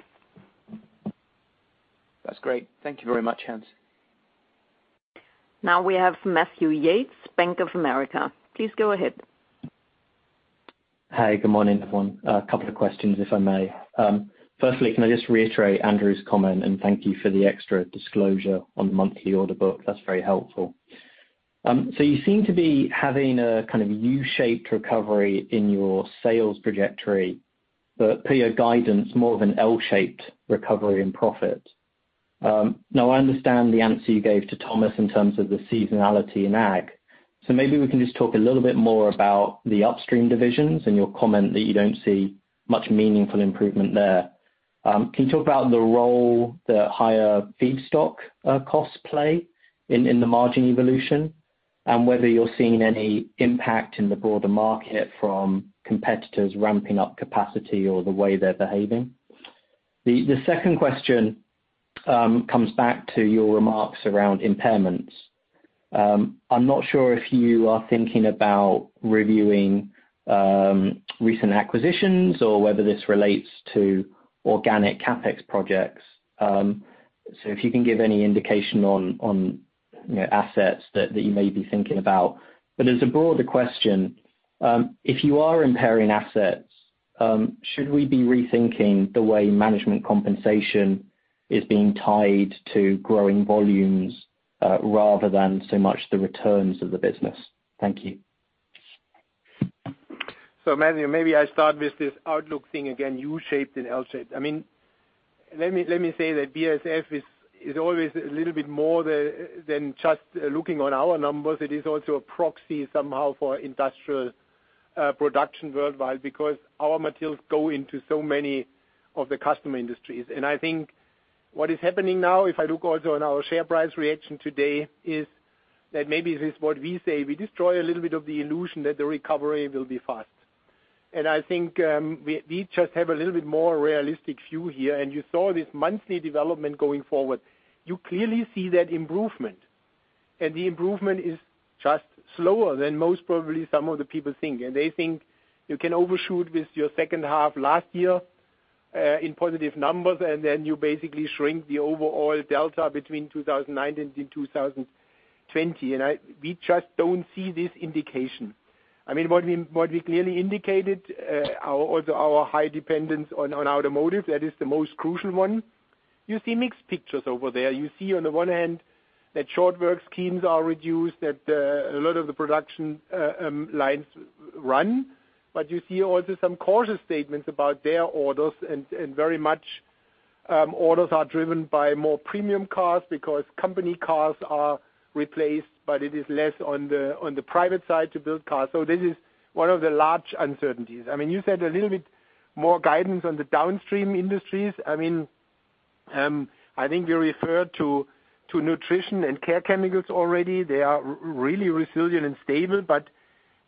Speaker 7: That's great. Thank you very much, Hans.
Speaker 1: Now we have Matthew Yates, Bank of America. Please go ahead.
Speaker 8: Hi, good morning, everyone. A couple of questions, if I may. Firstly, can I just reiterate Andrew's comment and thank you for the extra disclosure on the monthly order book. That is very helpful. You seem to be having a kind of U-shaped recovery in your sales trajectory, but per your guidance, more of an L-shaped recovery in profit. I understand the answer you gave to Thomas in terms of the seasonality in Ag. Maybe we can just talk a little bit more about the upstream divisions and your comment that you do not see much meaningful improvement there. Can you talk about the role the higher feedstock costs play in the margin evolution? Whether you are seeing any impact in the broader market from competitors ramping up capacity or the way they are behaving. The second question comes back to your remarks around impairments. I'm not sure if you are thinking about reviewing recent acquisitions or whether this relates to organic CapEx projects. If you can give any indication on assets that you may be thinking about. As a broader question, if you are impairing assets, should we be rethinking the way management compensation is being tied to growing volumes, rather than so much the returns of the business? Thank you.
Speaker 2: Matthew, maybe I start with this outlook thing again, U-shaped and L-shaped. Let me say that BASF is always a little bit more than just looking on our numbers. It is also a proxy somehow for industrial production worldwide because our materials go into so many of the customer industries. I think what is happening now, if I look also on our share price reaction today, is that maybe this is what we say. We destroy a little bit of the illusion that the recovery will be fast. I think we just have a little bit more realistic view here, and you saw this monthly development going forward. You clearly see that improvement. The improvement is just slower than most probably some of the people think. They think you can overshoot with your second half last year, in positive numbers, then you basically shrink the overall delta between 2019 and 2020. We just don't see this indication. What we clearly indicated, also our high dependence on automotive, that is the most crucial one. You see mixed pictures over there. You see on the one hand that short work schemes are reduced, that a lot of the production lines run. You see also some cautious statements about their orders and very much orders are driven by more premium cars because company cars are replaced, but it is less on the private side to build cars. This is one of the large uncertainties. You said a little bit more guidance on the downstream industries. I think we referred to Nutrition & Care Chemicals already. They are really resilient and stable.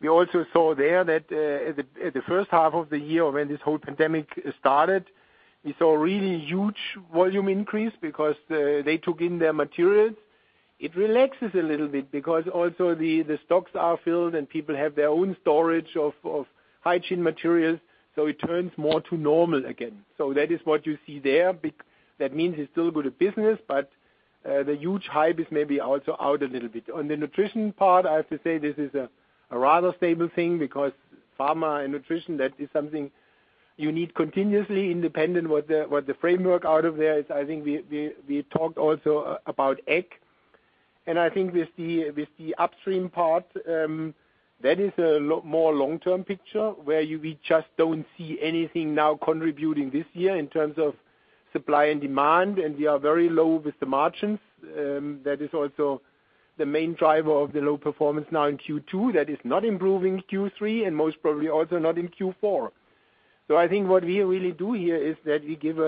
Speaker 2: We also saw there that at the first half of the year when this whole pandemic started, we saw a really huge volume increase because they took in their materials. It relaxes a little bit because also the stocks are filled, and people have their own storage of hygiene materials. It turns more to normal again. That is what you see there. That means it's still a good business. The huge hype is maybe also out a little bit. On the nutrition part, I have to say this is a rather stable thing because pharma and nutrition, that is something you need continuously independent what the framework out of there is. I think we talked also about Ag. I think with the upstream part, that is a more long-term picture where we just don't see anything now contributing this year in terms of supply and demand, and we are very low with the margins. That is also the main driver of the low performance now in Q2. That is not improving Q3 and most probably also not in Q4. I think what we really do here is that we give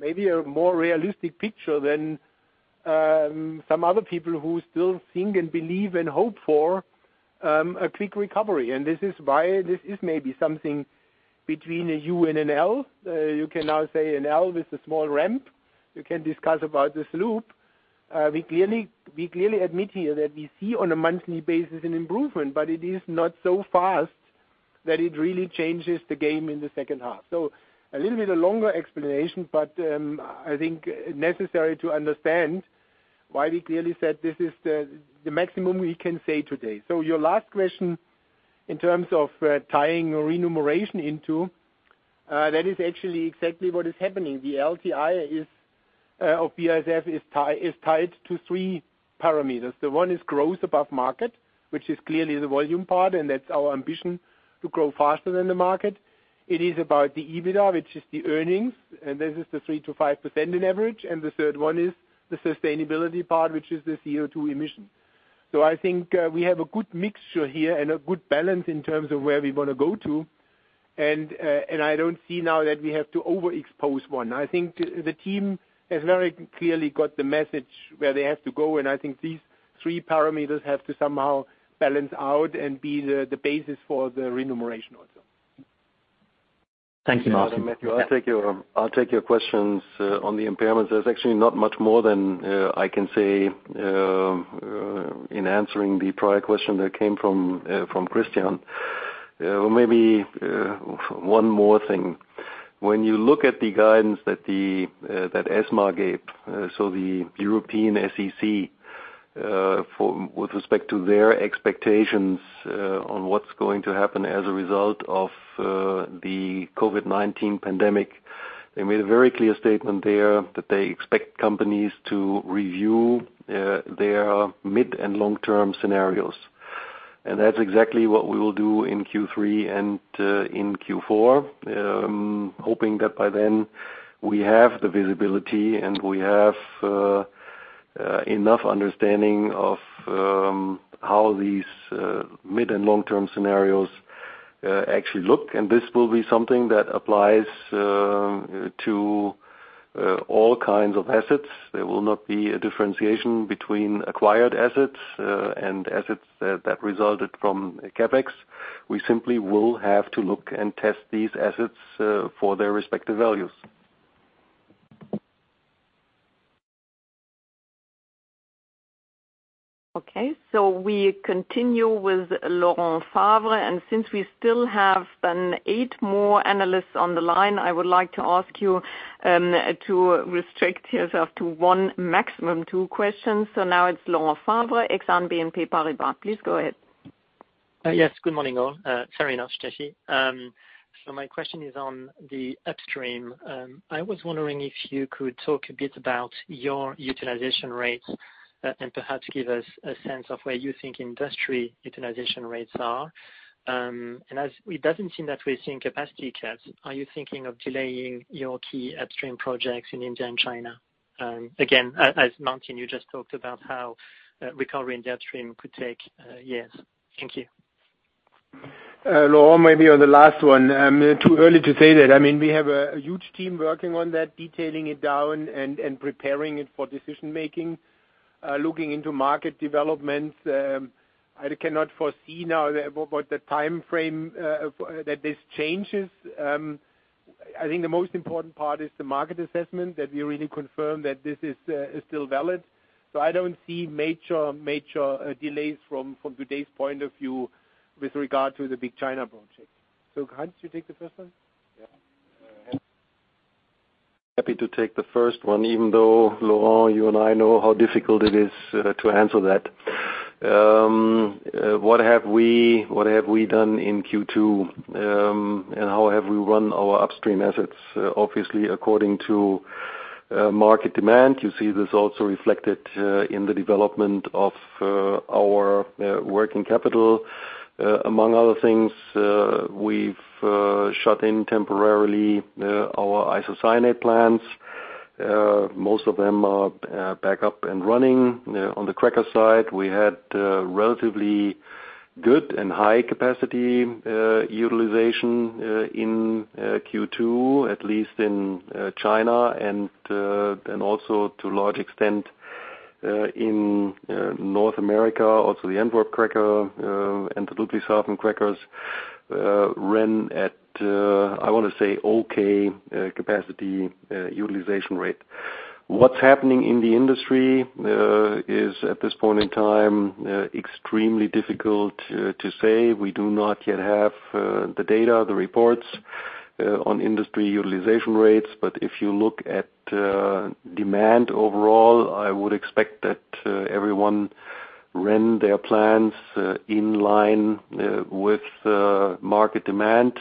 Speaker 2: maybe a more realistic picture than some other people who still think and believe and hope for a quick recovery. This is why this is maybe something between a U and an L. You can now say an L with a small ramp. You can discuss about this loop. We clearly admit here that we see on a monthly basis an improvement, but it is not so fast that it really changes the game in the second half. A little bit longer explanation, but I think necessary to understand why we clearly said this is the maximum we can say today. Your last question in terms of tying remuneration into, that is actually exactly what is happening. The LTI of BASF is tied to 3 parameters. The one is growth above market, which is clearly the volume part, and that's our ambition to grow faster than the market. It is about the EBITDA, which is the earnings, and this is the 3%-5% on average. The third one is the sustainability part, which is the CO2 emissions. I think we have a good mixture here and a good balance in terms of where we want to go to. I don't see now that we have to overexpose one. I think the team has very clearly got the message where they have to go, and I think these three parameters have to somehow balance out and be the basis for the remuneration also.
Speaker 8: Thank you, Martin.
Speaker 3: Matthew, I'll take your questions on the impairments. There's actually not much more than I can say in answering the prior question that came from Christian. Maybe one more thing. When you look at the guidance that ESMA gave, so the European SEC, with respect to their expectations on what's going to happen as a result of the COVID-19 pandemic, they made a very clear statement there that they expect companies to review their mid- and long-term scenarios. That's exactly what we will do in Q3 and in Q4, hoping that by then we have the visibility and we have enough understanding of how these mid- and long-term scenarios actually look, and this will be something that applies to all kinds of assets. There will not be a differentiation between acquired assets and assets that resulted from CapEx. We simply will have to look and test these assets for their respective values.
Speaker 1: Okay, we continue with Laurent Favre, since we still have eight more analysts on the line, I would like to ask you to restrict yourself to one, maximum two questions. Now it's Laurent Favre, Exane BNP Paribas. Please go ahead.
Speaker 9: Yes, good morning all. My question is on the upstream. I was wondering if you could talk a bit about your utilization rates and perhaps give us a sense of where you think industry utilization rates are. As it doesn't seem that we're seeing capacity caps, are you thinking of delaying your key upstream projects in India and China? Again, as Martin, you just talked about how recovery in the upstream could take years. Thank you.
Speaker 2: Laurent, maybe on the last one. Too early to say that. We have a huge team working on that, detailing it down and preparing it for decision-making, looking into market developments. I cannot foresee now what the timeframe that this changes. I think the most important part is the market assessment, that we really confirm that this is still valid. I don't see major delays from today's point of view with regard to the big China project. Hans, you take the first one?
Speaker 3: Yeah. Happy to take the first one, even though, Laurent, you and I know how difficult it is to answer that. What have we done in Q2, and how have we run our upstream assets? Obviously, according to market demand. You see this also reflected in the development of our working capital. Among other things, we've shut in temporarily our isocyanate plants. Most of them are back up and running. On the cracker side, we had relatively good and high capacity utilization in Q2, at least in China and also to a large extent in North America. Also the Antwerp cracker and the Ludwigshafen crackers ran at, I want to say, okay capacity utilization rate. What's happening in the industry is, at this point in time, extremely difficult to say. We do not yet have the data, the reports on industry utilization rates. If you look at demand overall, I would expect that everyone ran their plants in line with market demand,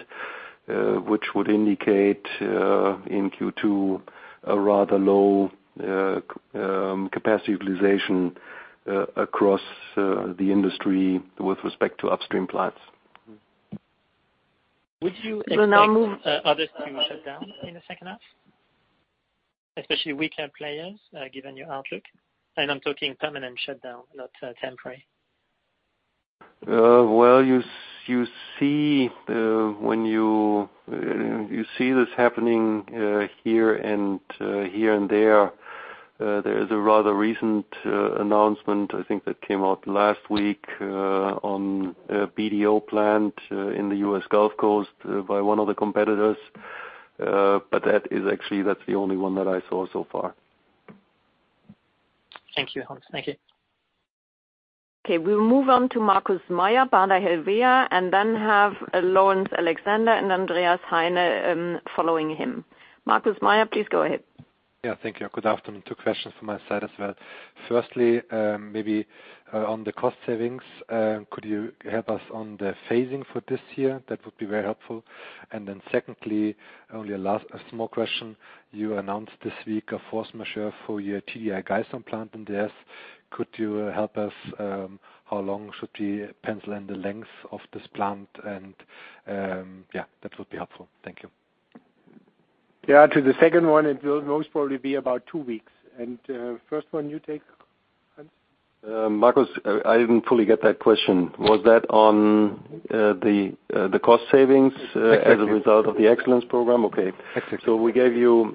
Speaker 3: which would indicate in Q2 a rather low capacity utilization across the industry with respect to upstream plants.
Speaker 9: Would you expect others to shut down in the second half? Especially weaker players, given your outlook? I'm talking permanent shutdown, not temporary.
Speaker 3: Well, you see this happening here and there. There is a rather recent announcement, I think that came out last week, on a BDO plant in the U.S. Gulf Coast by one of the competitors. Actually, that's the only one that I saw so far.
Speaker 9: Thank you, Hans. Thank you.
Speaker 1: Okay, we'll move on to Markus Mayer, Baader Helvea, and then have Laurence Alexander and Andreas Heine following him. Markus Mayer, please go ahead.
Speaker 10: Yeah, thank you. Good afternoon. Two questions from my side as well. Firstly, maybe on the cost savings, could you help us on the phasing for this year? That would be very helpful. Secondly, only a last small question. You announced this week a force majeure for your TDI Geismar plant in the U.S. Could you help us, how long should we pencil in the length of this plant and, yeah, that would be helpful. Thank you.
Speaker 2: Yeah, to the second one, it will most probably be about two weeks. First one you take, Hans?
Speaker 3: Markus, I didn't fully get that question. Was that on the cost savings as a result of the excellence program?
Speaker 10: Exactly.
Speaker 3: We gave you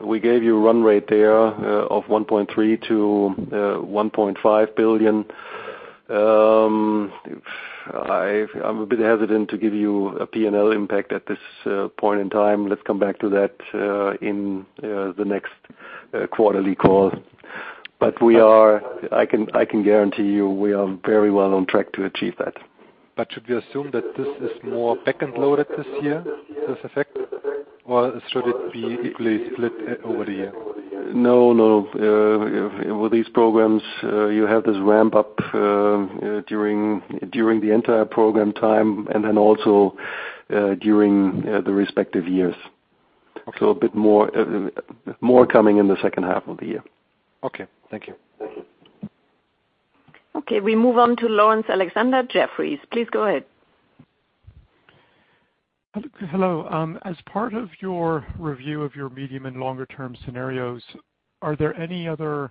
Speaker 3: a run rate there of 1.3 billion-1.5 billion. I'm a bit hesitant to give you a P&L impact at this point in time. Let's come back to that in the next quarterly call. I can guarantee you, we are very well on track to achieve that.
Speaker 10: Should we assume that this is more back-end loaded this year, this effect? Should it be equally split over the year?
Speaker 3: No. With these programs, you have this ramp up during the entire program time, and then also during the respective years.
Speaker 10: Okay.
Speaker 3: A bit more coming in the second half of the year.
Speaker 10: Okay. Thank you.
Speaker 1: Okay, we move on to Laurence Alexander, Jefferies. Please go ahead.
Speaker 11: Hello. As part of your review of your medium and longer term scenarios, are there any other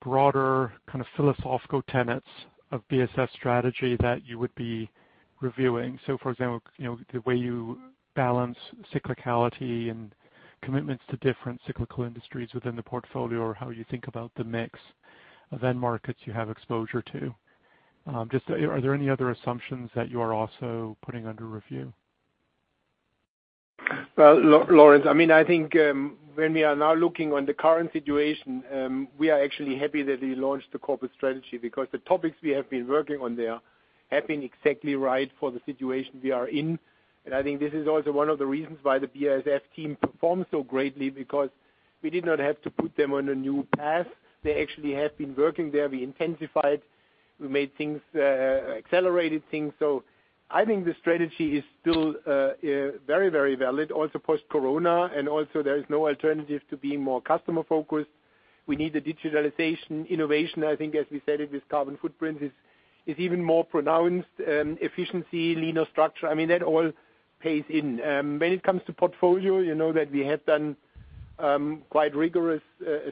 Speaker 11: broader kind of philosophical tenets of BASF strategy that you would be reviewing? For example, the way you balance cyclicality and commitments to different cyclical industries within the portfolio, or how you think about the mix of end markets you have exposure to. Just are there any other assumptions that you are also putting under review?
Speaker 2: Laurence, I think, when we are now looking on the current situation, we are actually happy that we launched the corporate strategy because the topics we have been working on there have been exactly right for the situation we are in. I think this is also one of the reasons why the BASF team performed so greatly because we did not have to put them on a new path. They actually have been working there. We intensified, we accelerated things. I think the strategy is still very valid. Also post-corona, and also there is no alternative to being more customer-focused. We need the digitalization innovation, I think as we said it with carbon footprint, is even more pronounced. Efficiency, leaner structure, that all pays in. When it comes to portfolio, you know that we have done quite rigorous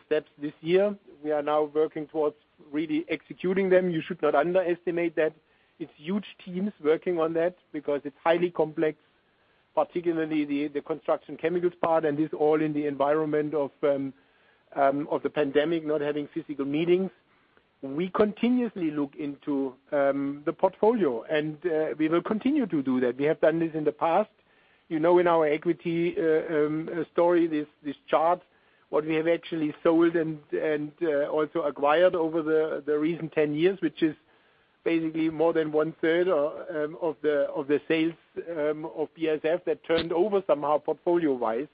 Speaker 2: steps this year. We are now working towards really executing them. You should not underestimate that. It's huge teams working on that because it's highly complex, particularly the Construction Chemicals part, and this all in the environment of the pandemic, not having physical meetings. We continuously look into the portfolio and we will continue to do that. We have done this in the past. In our equity story, this chart, what we have actually sold and also acquired over the recent 10 years, which is basically more than 1/3 of the sales of BASF that turned over somehow portfolio-wise.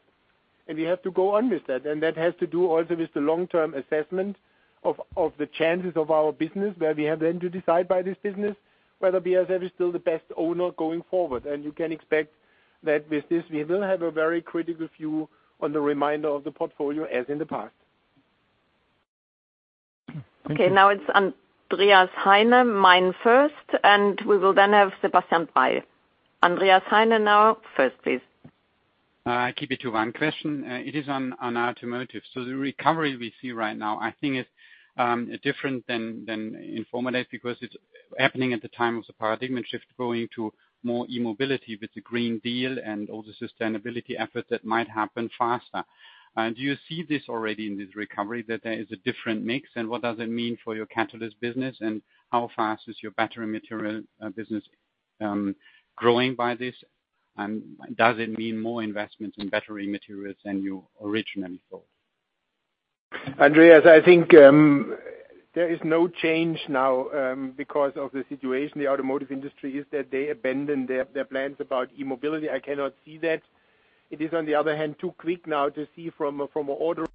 Speaker 2: We have to go on with that, and that has to do also with the long-term assessment of the chances of our business, where we have then to decide by this business whether BASF is still the best owner going forward. You can expect that with this, we will have a very critical view on the remainder of the portfolio as in the past.
Speaker 11: Thank you.
Speaker 1: Okay, now it's Andreas Heine, MainFirst, and we will then have Sebastian Bray. Andreas Heine, now first, please.
Speaker 12: I keep it to one question. It is on automotive. The recovery we see right now, I think is different than in former days because it's happening at the time of the paradigm shift, going to more e-mobility with the Green Deal and all the sustainability efforts that might happen faster. Do you see this already in this recovery, that there is a different mix, and what does it mean for your catalyst business, and how fast is your battery material business growing by this? Does it mean more investments in battery materials than you originally thought?
Speaker 2: Andreas, I think there is no change now because of the situation. The automotive industry is that they abandon their plans about e-mobility. I cannot see that. It is, on the other hand, too quick now to see from an order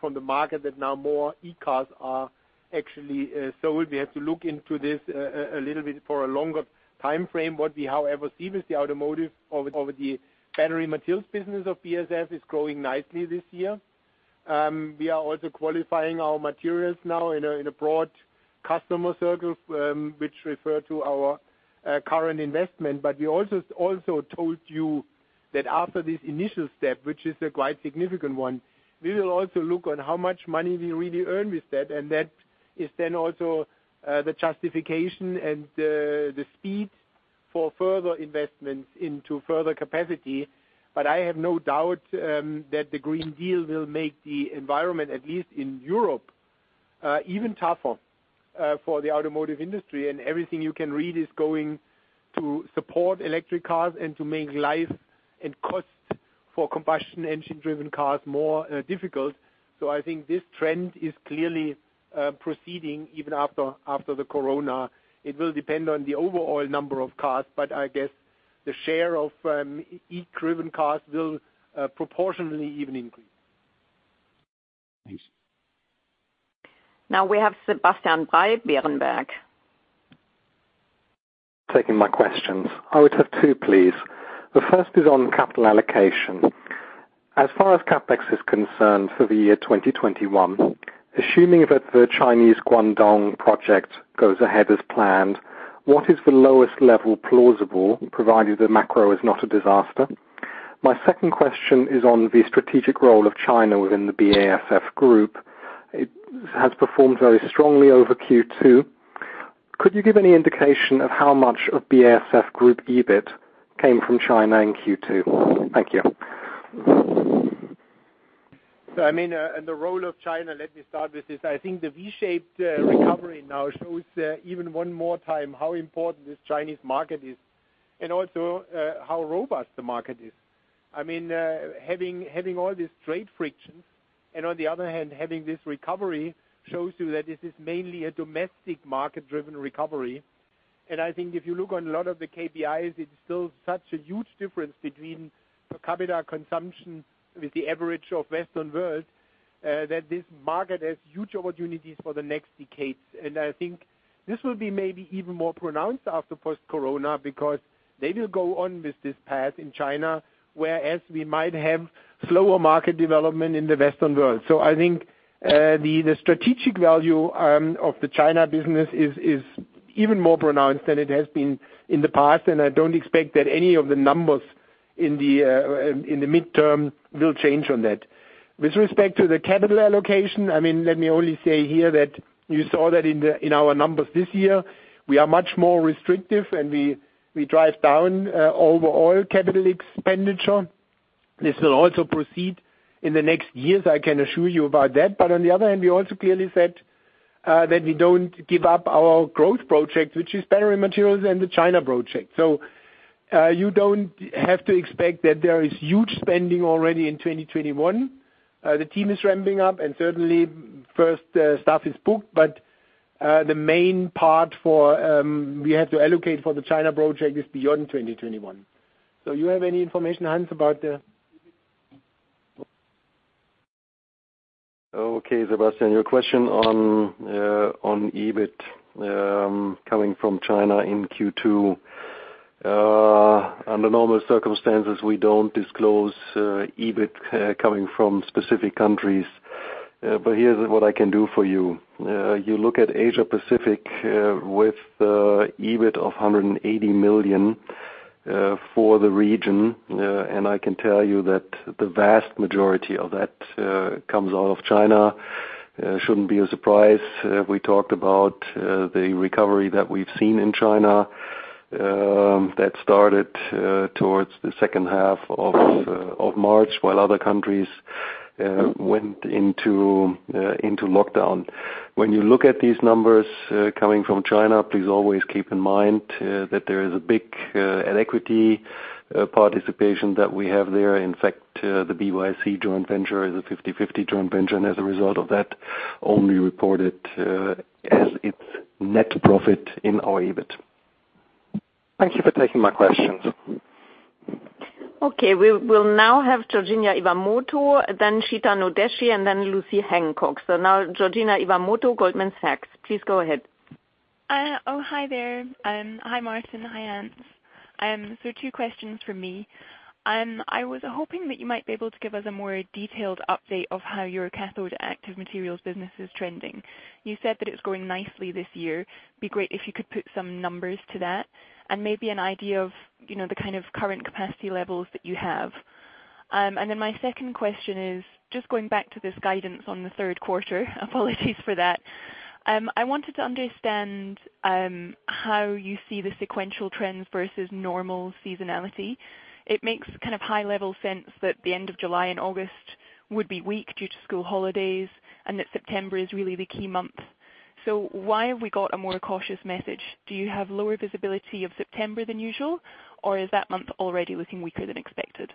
Speaker 2: from the market that now more e-cars are actually sold. We have to look into this a little bit for a longer time frame. What we, however, see with the automotive, over the battery materials business of BASF, is growing nicely this year. We are also qualifying our materials now in a broad customer circle, which refer to our current investment. We also told you that after this initial step, which is a quite significant one, we will also look on how much money we really earn with that, and that is then also the justification and the speed for further investments into further capacity. I have no doubt that the Green Deal will make the environment, at least in Europe, even tougher for the automotive industry. Everything you can read is going to support electric cars and to make life and costs for combustion engine-driven cars more difficult. I think this trend is clearly proceeding, even after the corona. It will depend on the overall number of cars, but I guess the share of e-driven cars will proportionally even increase.
Speaker 12: Thanks.
Speaker 1: Now we have Sebastian Bray, Berenberg.
Speaker 13: Taking my questions. I would have two, please. The first is on capital allocation. As far as CapEx is concerned for the year 2021, assuming that the Chinese Guangdong project goes ahead as planned What is the lowest level plausible, provided the macro is not a disaster? My second question is on the strategic role of China within the BASF Group. It has performed very strongly over Q2. Could you give any indication of how much of BASF Group EBIT came from China in Q2? Thank you.
Speaker 2: The role of China, let me start with this. I think the V-shaped recovery now shows even one more time how important this Chinese market is, and also how robust the market is. Having all these trade frictions, and on the other hand, having this recovery shows you that this is mainly a domestic market-driven recovery. I think if you look on a lot of the KPIs, it's still such a huge difference between per capita consumption with the average of Western world, that this market has huge opportunities for the next decades. I think this will be maybe even more pronounced after post corona because they will go on with this path in China, whereas we might have slower market development in the Western world. I think the strategic value of the China business is even more pronounced than it has been in the past, and I don't expect that any of the numbers in the midterm will change on that. With respect to the capital allocation, let me only say here that you saw that in our numbers this year, we are much more restrictive and we drive down overall capital expenditure. This will also proceed in the next years, I can assure you about that. On the other hand, we also clearly said that we don't give up our growth project, which is battery materials and the China project. You don't have to expect that there is huge spending already in 2021. The team is ramping up and certainly first stuff is booked, but the main part we have to allocate for the China project is beyond 2021. You have any information, Hans, about the EBIT?
Speaker 3: Okay, Sebastian, your question on EBIT coming from China in Q2. Under normal circumstances, we don't disclose EBIT coming from specific countries. Here's what I can do for you. You look at Asia Pacific with EBIT of 180 million for the region. I can tell you that the vast majority of that comes out of China. Shouldn't be a surprise. We talked about the recovery that we've seen in China, that started towards the second half of March while other countries went into lockdown. When you look at these numbers coming from China, please always keep in mind that there is a big at-equity participation that we have there. In fact, the BASF-YPC joint venture is a 50/50 joint venture. As a result of that, only reported as its net profit in our EBIT.
Speaker 13: Thank you for taking my questions.
Speaker 1: Okay. We will now have Georgina Iwamoto, then Chetan Udeshi, and then Lucy Hancock. Now Georgina Iwamoto, Goldman Sachs. Please go ahead.
Speaker 14: Hi there. Hi, Martin. Hi, Hans. Two questions from me. I was hoping that you might be able to give us a more detailed update of how your cathode active materials business is trending. You said that it is going nicely this year. It would be great if you could put some numbers to that, and maybe an idea of the kind of current capacity levels that you have. My second question is just going back to this guidance on the third quarter, apologies for that. I wanted to understand how you see the sequential trends versus normal seasonality. It makes high-level sense that the end of July and August would be weak due to school holidays, and that September is really the key month. Why have we got a more cautious message? Do you have lower visibility of September than usual, or is that month already looking weaker than expected?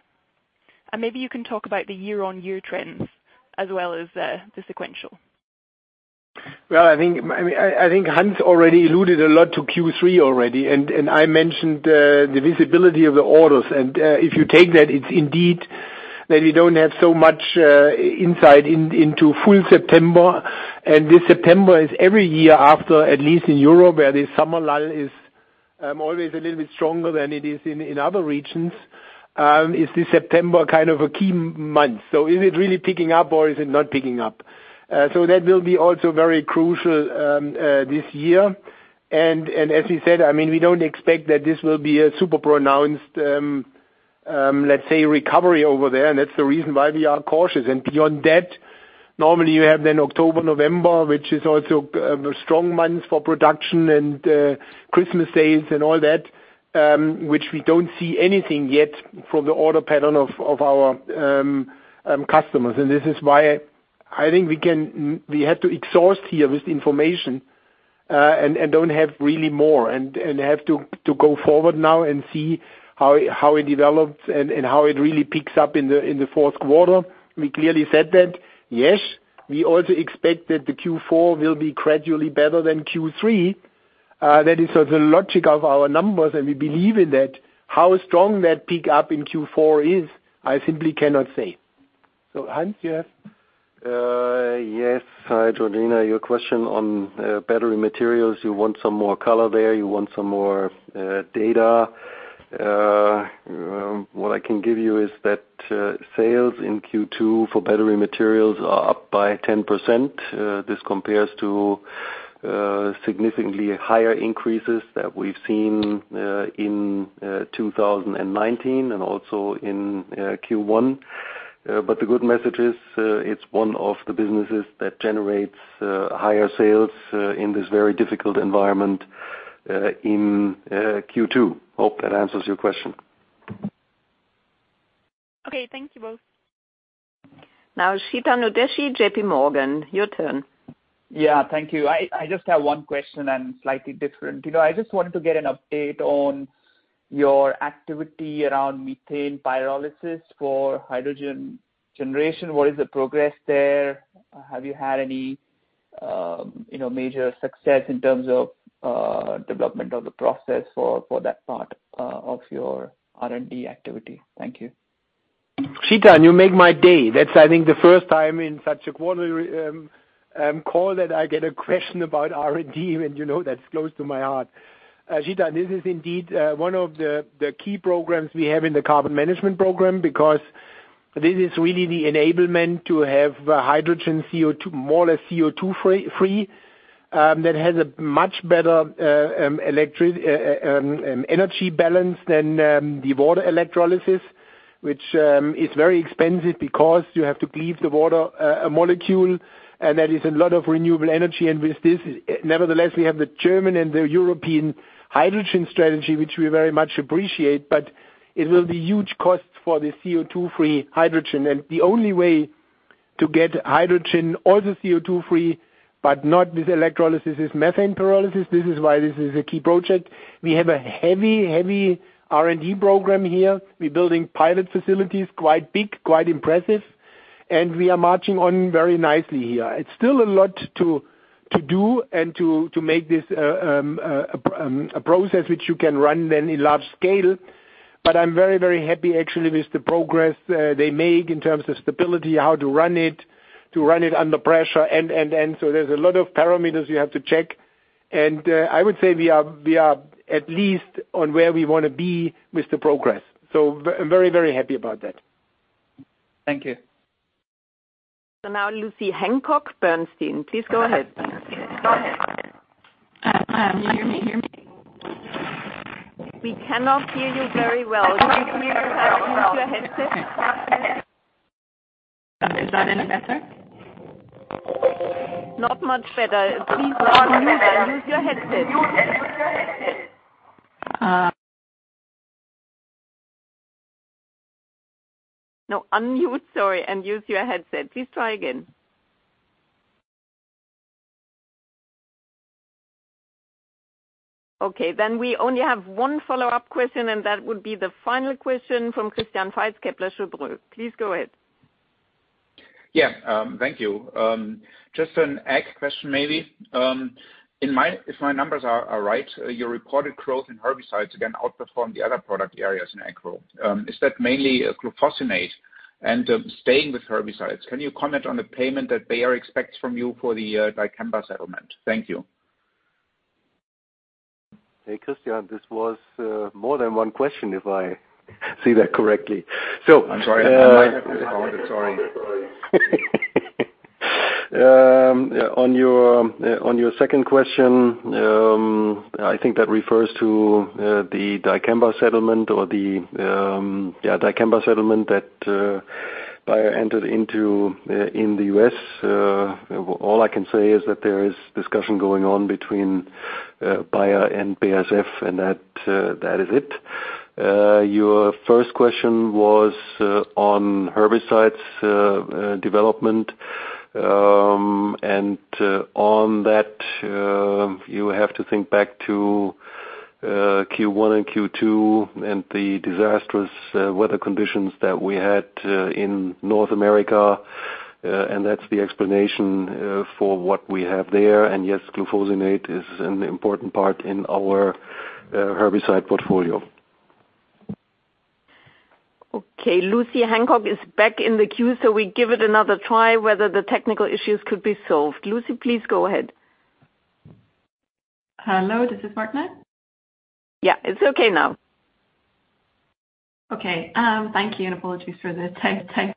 Speaker 14: Maybe you can talk about the year-on-year trends as well as the sequential.
Speaker 2: Well, I think Hans already alluded a lot to Q3 already. I mentioned the visibility of the orders. If you take that, it's indeed that we don't have so much insight into full September. This September is every year after, at least in Europe, where the summer lull is always a little bit stronger than it is in other regions. Is this September kind of a key month? Is it really picking up or is it not picking up? That will be also very crucial this year. As we said, we don't expect that this will be a super pronounced, let's say, recovery over there, and that's the reason why we are cautious. Beyond that, normally you have then October, November, which is also strong months for production and Christmas sales and all that, which we don't see anything yet from the order pattern of our customers. This is why I think we have to exhaust here with the information, and don't have really more and have to go forward now and see how it develops and how it really picks up in the fourth quarter. We clearly said that, yes, we also expect that the Q4 will be gradually better than Q3. That is the logic of our numbers, and we believe in that. How strong that pick up in Q4 is, I simply cannot say. Hans, you have?
Speaker 3: Yes. Hi, Georgina. Your question on battery materials, you want some more color there, you want some more data? What I can give you is that sales in Q2 for battery materials are up by 10%. This compares to significantly higher increases that we've seen in 2019 and also in Q1. The good message is it's one of the businesses that generates higher sales in this very difficult environment in Q2. Hope that answers your question.
Speaker 14: Okay. Thank you both.
Speaker 1: Now, Chetan Udeshi, JPMorgan. Your turn.
Speaker 15: Yeah. Thank you. I just have one question and slightly different. I just wanted to get an update on your activity around methane pyrolysis for hydrogen generation. What is the progress there? Have you had any major success in terms of development of the process for that part of your R&D activity? Thank you.
Speaker 2: Chetan, you make my day. That's, I think, the first time in such a quarter call that I get a question about R&D, and you know that's close to my heart. Chetan, this is indeed one of the key programs we have in the carbon management program because this is really the enablement to have hydrogen, more or less CO2-free, that has a much better energy balance than the water electrolysis, which is very expensive because you have to cleave the water molecule, and that is a lot of renewable energy. With this, nevertheless, we have the German and the European Hydrogen Strategy, which we very much appreciate, but it will be huge costs for the CO2-free hydrogen. The only way to get hydrogen also CO2-free, but not with electrolysis, is methane pyrolysis. This is why this is a key project. We have a heavy R&D program here. We're building pilot facilities, quite big, quite impressive. We are marching on very nicely here. It's still a lot to do and to make this a process which you can run then in large scale. I'm very happy actually with the progress they make in terms of stability, how to run it, to run it under pressure. There's a lot of parameters you have to check. I would say we are at least on where we want to be with the progress. Very happy about that.
Speaker 15: Thank you.
Speaker 1: Now Lucy Hancock, Bernstein. Please go ahead.
Speaker 16: Can you hear me?
Speaker 1: We cannot hear you very well. Can you please use your headset?
Speaker 16: Is that any better?
Speaker 1: Not much better. Please unmute and use your headset. No, unmute. Sorry, use your headset. Please try again. Okay, we only have one follow-up question, that would be the final question from Christian Faitz, Kepler Cheuvreux. Please go ahead.
Speaker 4: Yeah. Thank you. Just an ag question, maybe. If my numbers are right, your reported growth in herbicides again outperformed the other product areas in agro. Is that mainly glufosinate? Staying with herbicides, can you comment on the payment that Bayer expects from you for the dicamba settlement? Thank you.
Speaker 2: Hey, Christian, this was more than one question, if I see that correctly.
Speaker 4: I'm sorry. Sorry.
Speaker 2: On your second question, I think that refers to the dicamba settlement that Bayer entered into in the U.S. All I can say is that there is discussion going on between Bayer and BASF, and that is it. Your first question was on herbicides development. On that, you have to think back to Q1 and Q2 and the disastrous weather conditions that we had in North America. That's the explanation for what we have there. Yes, glufosinate is an important part in our herbicide portfolio.
Speaker 1: Okay. Lucy Hancock is back in the queue, so we give it another try whether the technical issues could be solved. Lucy, please go ahead.
Speaker 16: Hello, this is alright now?
Speaker 1: Yeah. It's okay now.
Speaker 16: Okay. Thank you, apologies for the tech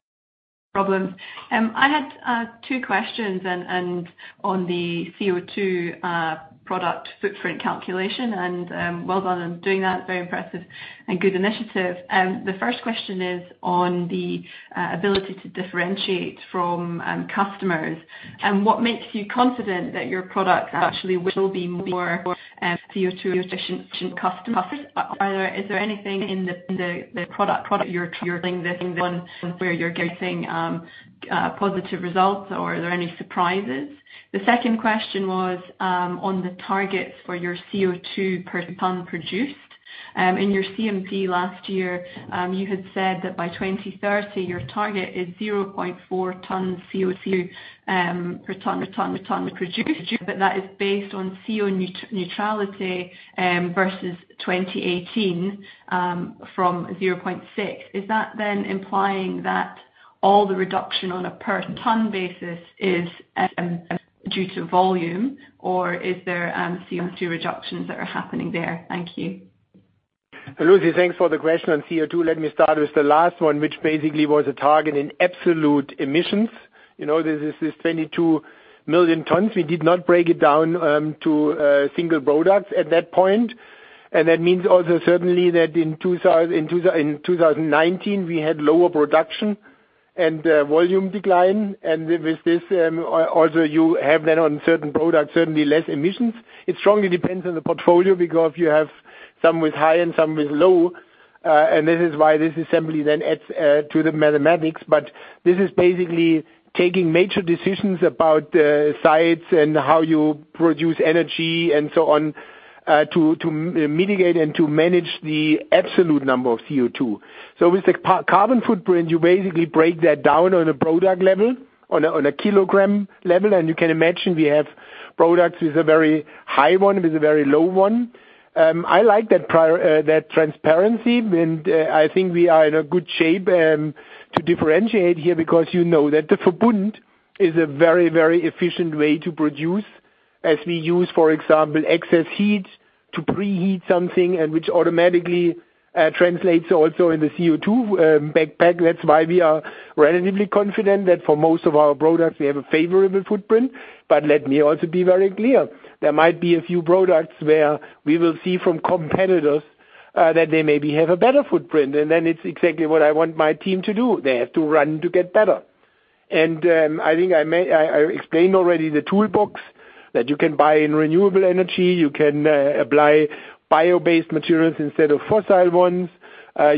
Speaker 16: problems. I had two questions, on the CO2 product footprint calculation, and well done on doing that, very impressive and good initiative. The first question is on the ability to differentiate from customers, what makes you confident that your products actually will be more CO2 efficient custom? Is there anything in the product you're trialing this on where you're getting positive results, or are there any surprises? The second question was on the targets for your CO2 per ton produced. In your CMD last year, you had said that by 2030, your target is 0.4 tons CO2 per ton produced, that is based on CO2 neutrality versus 2018, from 0.6. Is that implying that all the reduction on a per ton basis is. Due to volume or is there CO2 reductions that are happening there? Thank you.
Speaker 2: Lucy, thanks for the question on CO2. Let me start with the last one, which basically was a target in absolute emissions. This is 22 million tons. We did not break it down to single products at that point. That means also certainly that in 2019, we had lower production and volume decline. With this, also you have then on certain products, certainly less emissions. It strongly depends on the portfolio because you have some with high and some with low, and this is why this assembly then adds to the mathematics. This is basically taking major decisions about sites and how you produce energy and so on, to mitigate and to manage the absolute number of CO2. With the carbon footprint, you basically break that down on a product level, on a kilogram level. You can imagine we have products with a very high one, with a very low one. I like that transparency and I think we are in a good shape to differentiate here because you know that the Verbund is a very efficient way to produce, as we use, for example, excess heat to pre-heat something and which automatically translates also in the CO2 backpack. That's why we are relatively confident that for most of our products, we have a favorable footprint. Let me also be very clear. There might be a few products where we will see from competitors that they maybe have a better footprint. Then it's exactly what I want my team to do. They have to run to get better. I think I explained already the toolbox that you can buy in renewable energy. You can apply bio-based materials instead of fossil ones.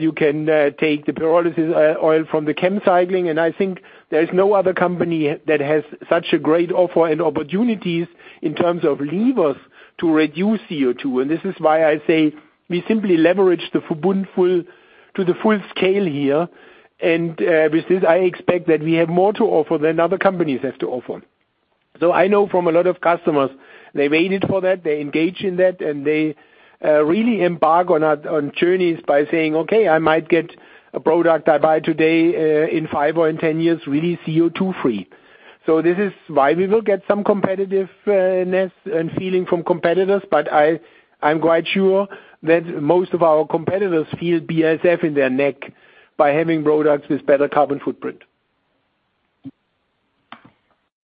Speaker 2: You can take the pyrolysis oil from the ChemCycling, I think there is no other company that has such a great offer and opportunities in terms of levers to reduce CO2. This is why I say we simply leverage the Verbund to the full scale here. With this, I expect that we have more to offer than other companies have to offer. I know from a lot of customers, they waited for that, they engage in that, and they really embark on journeys by saying, "Okay, I might get a product I buy today in five or in 10 years, really CO2-free." This is why we will get some competitiveness and feeling from competitors, but I'm quite sure that most of our competitors feel BASF in their neck by having products with better carbon footprint.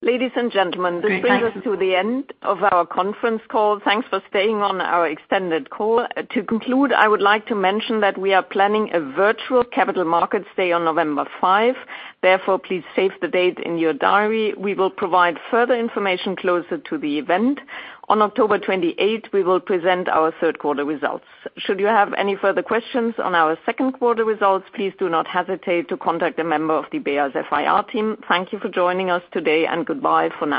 Speaker 1: Ladies and gentlemen.
Speaker 2: Great. Thank you
Speaker 1: This brings us to the end of our conference call. Thanks for staying on our extended call. To conclude, I would like to mention that we are planning a virtual Capital Markets Day on November 5. Therefore, please save the date in your diary. We will provide further information closer to the event. On October 28th, we will present our third quarter results. Should you have any further questions on our second quarter results, please do not hesitate to contact a member of the BASF IR team. Thank you for joining us today, and goodbye for now.